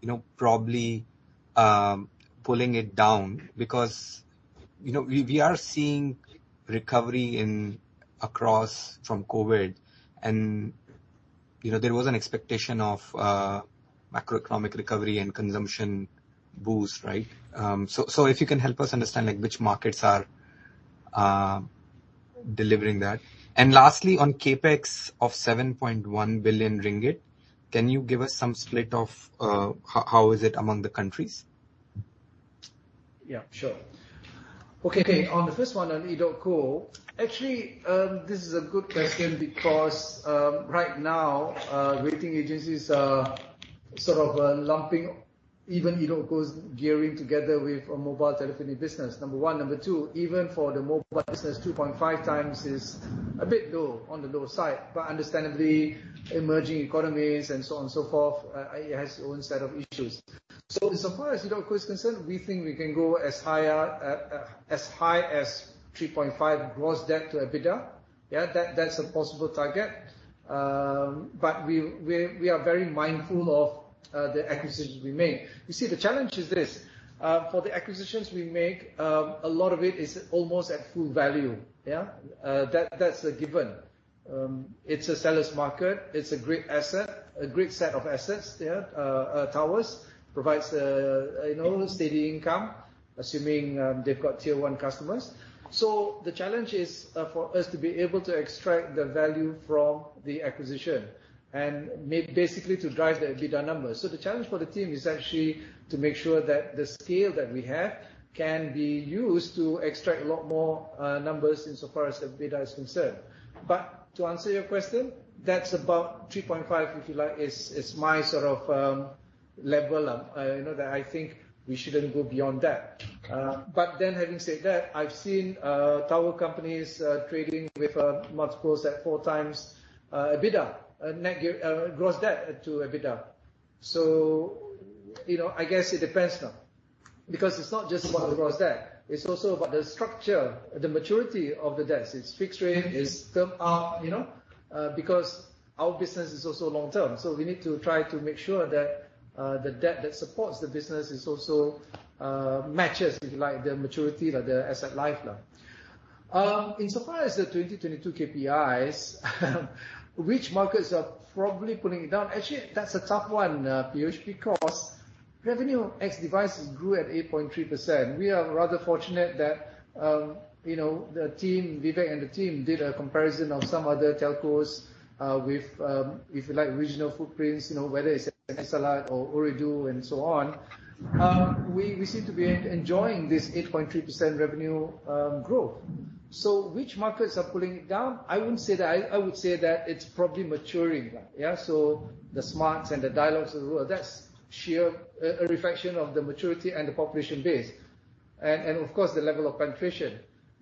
you know, probably pulling it down? Because, you know, we are seeing recovery across from COVID and, you know, there was an expectation of, macroeconomic recovery and consumption boost, right? If you can help us understand, like, which markets are delivering that. Lastly, on CapEx of 7.1 billion ringgit, can you give us some split of how is it among the countries? Yeah, sure. Okay. On the first one on edotco, actually, this is a good question because, right now, rating agencies are sort of, lumping even edotco's gearing together with our mobile telephony business, number one. Number two, even for the mobile business, 2.5 times is a bit low on the lower side. Understandably, emerging economies and so on and so forth, it has its own set of issues. Insofar as edotco is concerned, we think we can go as high as 3.5 gross debt to EBITDA. Yeah, that's a possible target. We are very mindful of, the acquisitions we make. You see, the challenge is this, for the acquisitions we make, a lot of it is almost at full value. Yeah. That's a given. It's a seller's market. It's a great asset, a great set of assets. Yeah. Towers provides, you know, steady income, assuming they've got tier one customers. The challenge is for us to be able to extract the value from the acquisition and basically to drive the EBITDA numbers. The challenge for the team is actually to make sure that the scale that we have can be used to extract a lot more numbers insofar as EBITDA is concerned. To answer your question, that's about 3.5, if you like. It's my sort of level, you know, that I think we shouldn't go beyond that. But then having said that, I've seen tower companies trading with multiples at 4x EBITDA net gearing, gross debt to EBITDA. You know, I guess it depends now because it's not just about the gross debt, it's also about the structure, the maturity of the debts. It's fixed rate, it's term, you know, because our business is also long-term, so we need to try to make sure that, the debt that supports the business is also, matches if you like the maturity or the asset life now. Insofar as the 2022 KPIs, which markets are probably pulling it down? Actually, that's a tough one, Piyush, because revenue ex device grew at 8.3%. We are rather fortunate that, you know, the team, Vivek and the team did a comparison of some other telcos, with, if you like, regional footprints, you know, whether it's Etisalat or Ooredoo and so on. We seem to be enjoying this 8.3% revenue growth. Which markets are pulling it down? I wouldn't say that. I would say that it's probably maturing. Yeah. So the Smart and the Dialog as well, that's sheer reflection of the maturity and the population base and of course the level of penetration.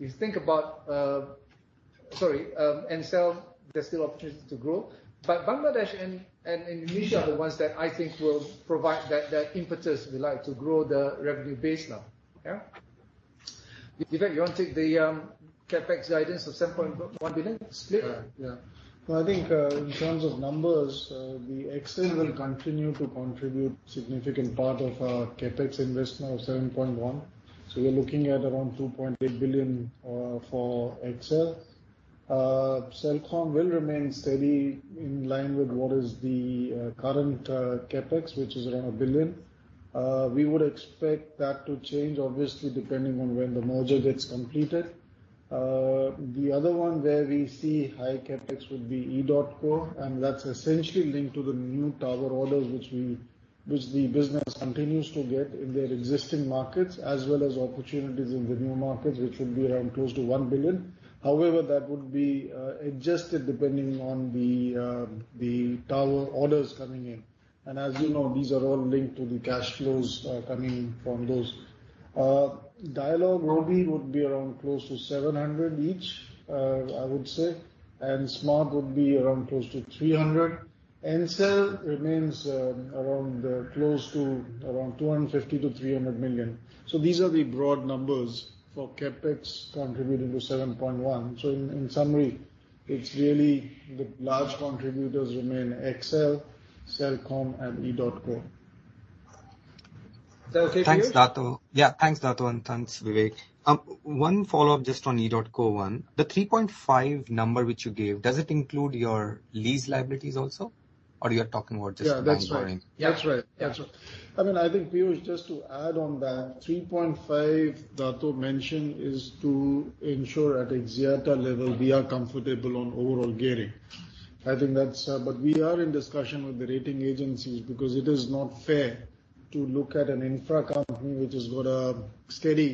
If you think about Ncell, there's still opportunities to grow. But Bangladesh and Indonesia are the ones that I think will provide that impetus we like to grow the revenue base now. Yeah. Vivek, you want to take the CapEx guidance of 7.1 billion split? Yeah. Well, I think in terms of numbers, the XL will continue to contribute significant part of our CapEx investment of 7.1 billion. We're looking at around 2.8 billion for XL. Celcom will remain steady in line with what is the current CapEx, which is around 1 billion. We would expect that to change, obviously, depending on when the merger gets completed. The other one where we see high CapEx would be edotco, and that's essentially linked to the new tower orders which the business continues to get in their existing markets, as well as opportunities in the new markets, which would be around close to 1 billion. However, that would be adjusted depending on the tower orders coming in. As you know, these are all linked to the cash flows coming from those. Dialog would be around close to 700 each, I would say. Smart would be around close to 300. Ncell remains around close to 250-300 million. These are the broad numbers for CapEx contributing to 7.1. In summary, it's really the large contributors remain XL, Celcom, and edotco. Is that okay, Piyush? Thanks, Dato'. Yeah, thanks, Dato', and thanks, Vivek. One follow up just on edotco 1. The 3.5 number which you gave, does it include your lease liabilities also? Or you're talking about just land buying? Yeah, that's right. Yeah. That's right. I mean, I think, Piyush, just to add on that, 3.5 Dato mentioned is to ensure at Axiata level we are comfortable on overall gearing. I think that's. We are in discussion with the rating agencies because it is not fair to look at an infra company which has got a steady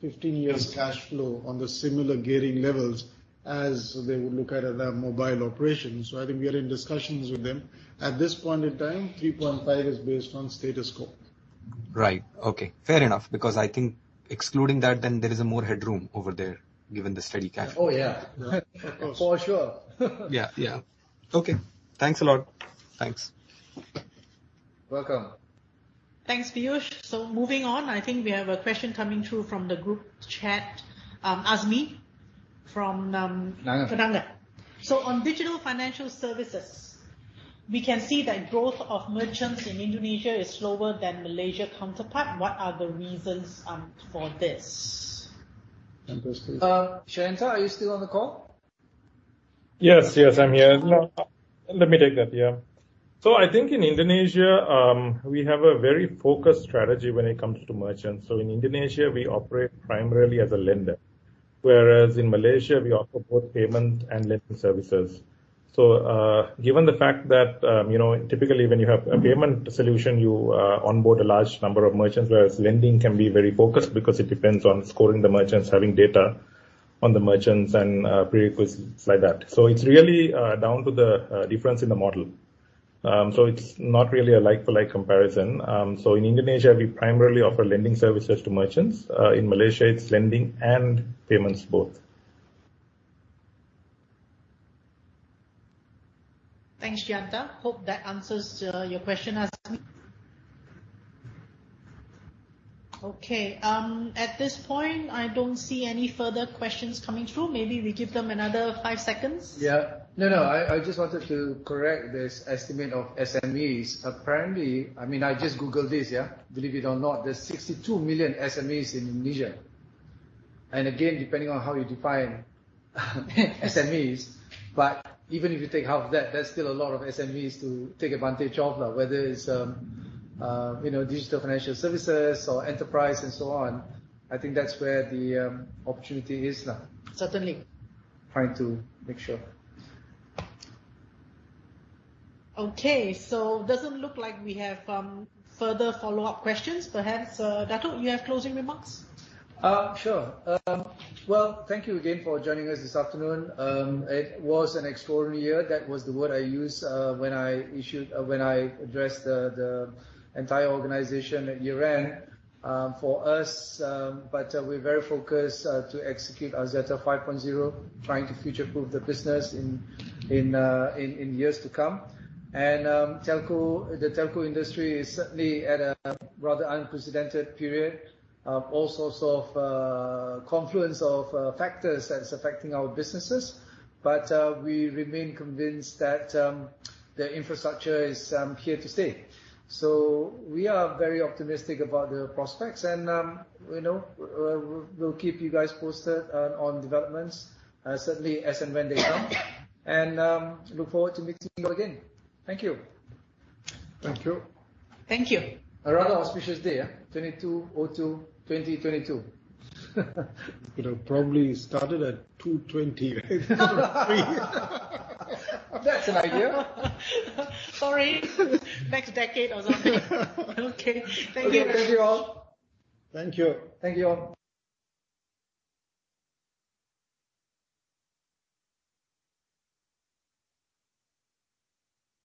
15 years cash flow on the similar gearing levels as they would look at other mobile operations. I think we are in discussions with them. At this point in time, 3.5 is based on status quo. Right. Okay. Fair enough because I think excluding that, then there is more headroom over there given the steady cash flow. Oh, yeah. Of course. For sure. Yeah, yeah. Okay. Thanks a lot. Thanks. Welcome. Thanks, Piyush. Moving on, I think we have a question coming through from the group chat, Azmi from, RHB RHB. On digital financial services, we can see that growth of merchants in Indonesia is slower than Malaysian counterpart. What are the reasons for this? Interesting. Sheyantha, are you still on the call? Yes, yes, I'm here. No, let me take that. Yeah. I think in Indonesia, we have a very focused strategy when it comes to merchants. In Indonesia we operate primarily as a lender, whereas in Malaysia we offer both payment and lending services. Given the fact that, you know, typically when you have a payment solution, you onboard a large number of merchants, whereas lending can be very focused because it depends on scoring the merchants, having data on the merchants and prerequisites like that. It's really down to the difference in the model. It's not really a like for like comparison. In Indonesia we primarily offer lending services to merchants. In Malaysia it's lending and payments both. Thanks, Sheyantha. Hope that answers your question, Azmi. Okay, at this point I don't see any further questions coming through. Maybe we give them another five seconds. Yeah. No, no. I just wanted to correct this estimate of SMEs. Apparently, I mean, I just Googled this, yeah. Believe it or not, there's 62 million SMEs in Indonesia. Again, depending on how you define SMEs, but even if you take half of that's still a lot of SMEs to take advantage of now, whether it's, you know, digital financial services or enterprise and so on. I think that's where the opportunity is now. Certainly. Trying to make sure. Okay. Doesn't look like we have further follow-up questions perhaps. Dato', you have closing remarks? Sure. Well, thank you again for joining us this afternoon. It was an extraordinary year. That was the word I used when I addressed the entire organization at year-end for us. We're very focused to execute our Axiata 5.0, trying to future-proof the business in years to come. Telco, the telco industry is certainly at a rather unprecedented period of all sorts of confluence of factors that's affecting our businesses. We remain convinced that the infrastructure is here to stay. We are very optimistic about the prospects and, you know, we'll keep you guys posted on developments certainly as and when they come. I look forward to meeting you again. Thank you. Thank you. Thank you. A rather auspicious day, yeah. 22/02/2022. Could have probably started at 2:20, right? That's an idea. Sorry. Next decade or something. Okay. Thank you very much. Okay. Thank you all. Thank you. Thank you all.